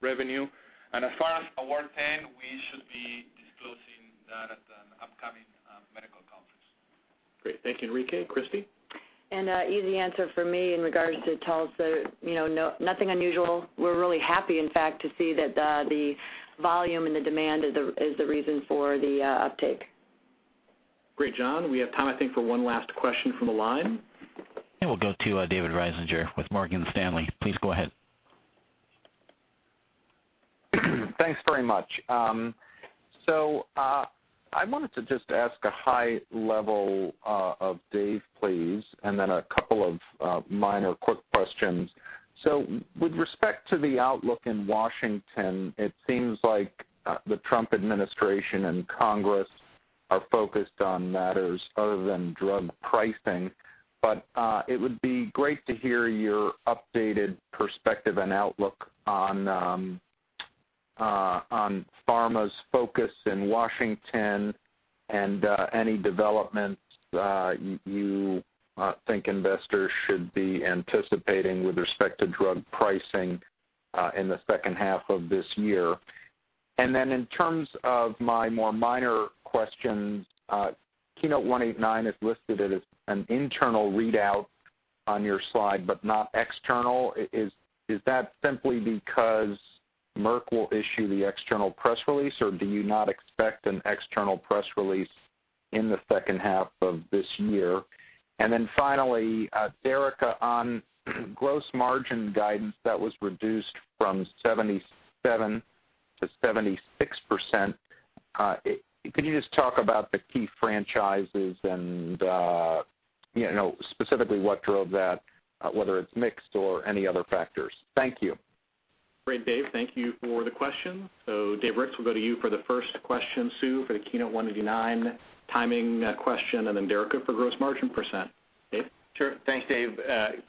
revenue. As far as AWARD-10, we should be disclosing that at an upcoming medical conference.
Great. Thank you, Enrique. Christi?
Easy answer from me in regards to Taltz. Nothing unusual. We're really happy, in fact, to see that the volume and the demand is the reason for the uptake.
Great. John, we have time, I think, for one last question from the line.
We'll go to David Risinger with Morgan Stanley. Please go ahead.
Thanks very much. I wanted to just ask a high level of Dave, please, and then a couple of minor quick questions. With respect to the outlook in Washington, it seems like the Trump administration and Congress are focused on matters other than drug pricing, but it would be great to hear your updated perspective and outlook on pharma's focus in Washington and any developments you think investors should be anticipating with respect to drug pricing in the second half of this year. In terms of my more minor questions, KEYNOTE-189 is listed as an internal readout on your slide, but not external. Is that simply because Merck will issue the external press release, or do you not expect an external press release in the second half of this year? Finally, Derica, on gross margin guidance, that was reduced from 77% to 76%. Could you just talk about the key franchises and specifically what drove that, whether it's mixed or any other factors? Thank you.
Great, Dave. Thank you for the question. Dave Ricks, we'll go to you for the first question, Sue, for the KEYNOTE-189 timing question, and then Derica for gross margin %. Dave?
Sure. Thanks, Dave.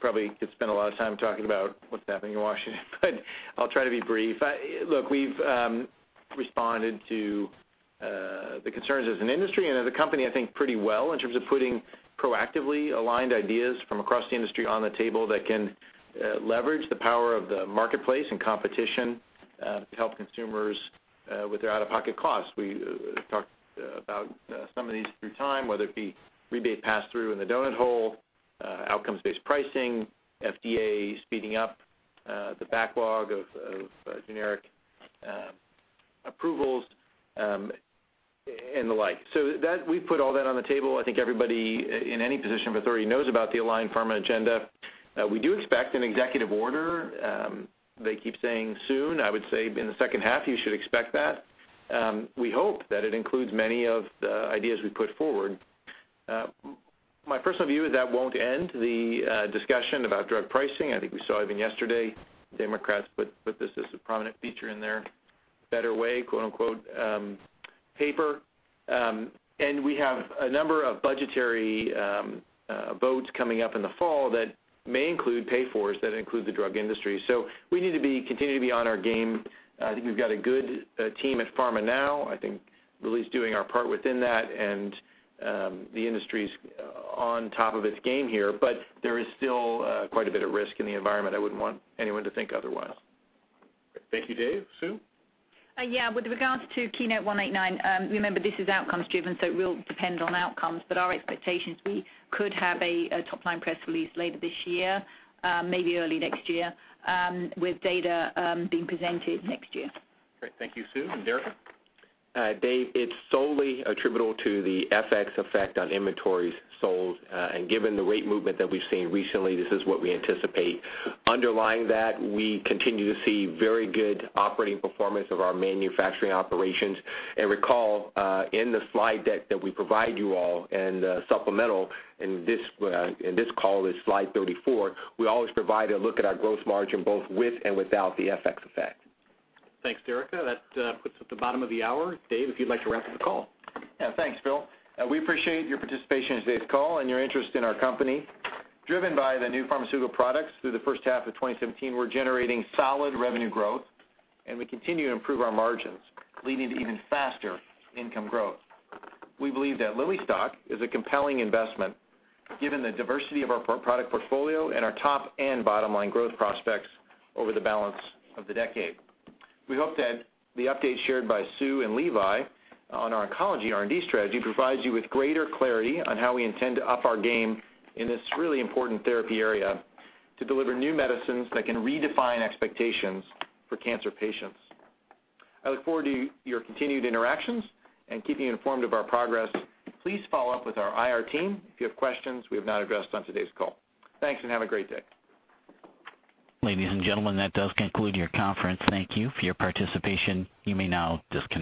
Probably could spend a lot of time talking about what's happening in Washington, but I'll try to be brief. Look, we've responded to the concerns as an industry and as a company, I think, pretty well in terms of putting proactively aligned ideas from across the industry on the table that can leverage the power of the marketplace and competition to help consumers with their out-of-pocket costs. We talked about some of these through time, whether it be rebate pass-through in the donut hole, outcomes-based pricing, FDA speeding up the backlog of generic approvals, and the like. We've put all that on the table. I think everybody in any position of authority knows about the Align PhRMA agenda. We do expect an executive order. They keep saying soon. I would say in the second half, you should expect that. We hope that it includes many of the ideas we put forward. My personal view is that won't end the discussion about drug pricing. I think we saw even yesterday Democrats put this as a prominent feature in their better way, quote, unquote, paper. We have a number of budgetary boats coming up in the fall that may include pay-fors that include the drug industry. We need to continue to be on our game. I think we've got a good team at PhRMA now. I think really it's doing our part within that and the industry's on top of its game here, there is still quite a bit of risk in the environment. I wouldn't want anyone to think otherwise.
Thank you, Dave. Sue?
Yeah. With regards to KEYNOTE-189, remember, this is outcomes driven, it will depend on outcomes. Our expectation is we could have a top-line press release later this year, maybe early next year, with data being presented next year.
Great. Thank you, Sue. Derica?
Dave, it's solely attributable to the FX effect on inventories sold. Given the rate movement that we've seen recently, this is what we anticipate. Underlying that, we continue to see very good operating performance of our manufacturing operations. Recall in the slide deck that we provide you all and supplemental in this call is slide 34, we always provide a look at our gross margin both with and without the FX effect.
Thanks, Derica. That puts us at the bottom of the hour. Dave, if you'd like to wrap up the call.
Thanks, Phil. We appreciate your participation in today's call and your interest in our company. Driven by the new pharmaceutical products through the first half of 2017, we're generating solid revenue growth, and we continue to improve our margins, leading to even faster income growth. We believe that Lilly stock is a compelling investment given the diversity of our product portfolio and our top and bottom-line growth prospects over the balance of the decade. We hope that the update shared by Sue and Levi on our oncology R&D strategy provides you with greater clarity on how we intend to up our game in this really important therapy area to deliver new medicines that can redefine expectations for cancer patients. I look forward to your continued interactions and keeping you informed of our progress. Please follow up with our IR team if you have questions we have not addressed on today's call. Thanks. Have a great day.
Ladies and gentlemen, that does conclude your conference. Thank you for your participation. You may now disconnect.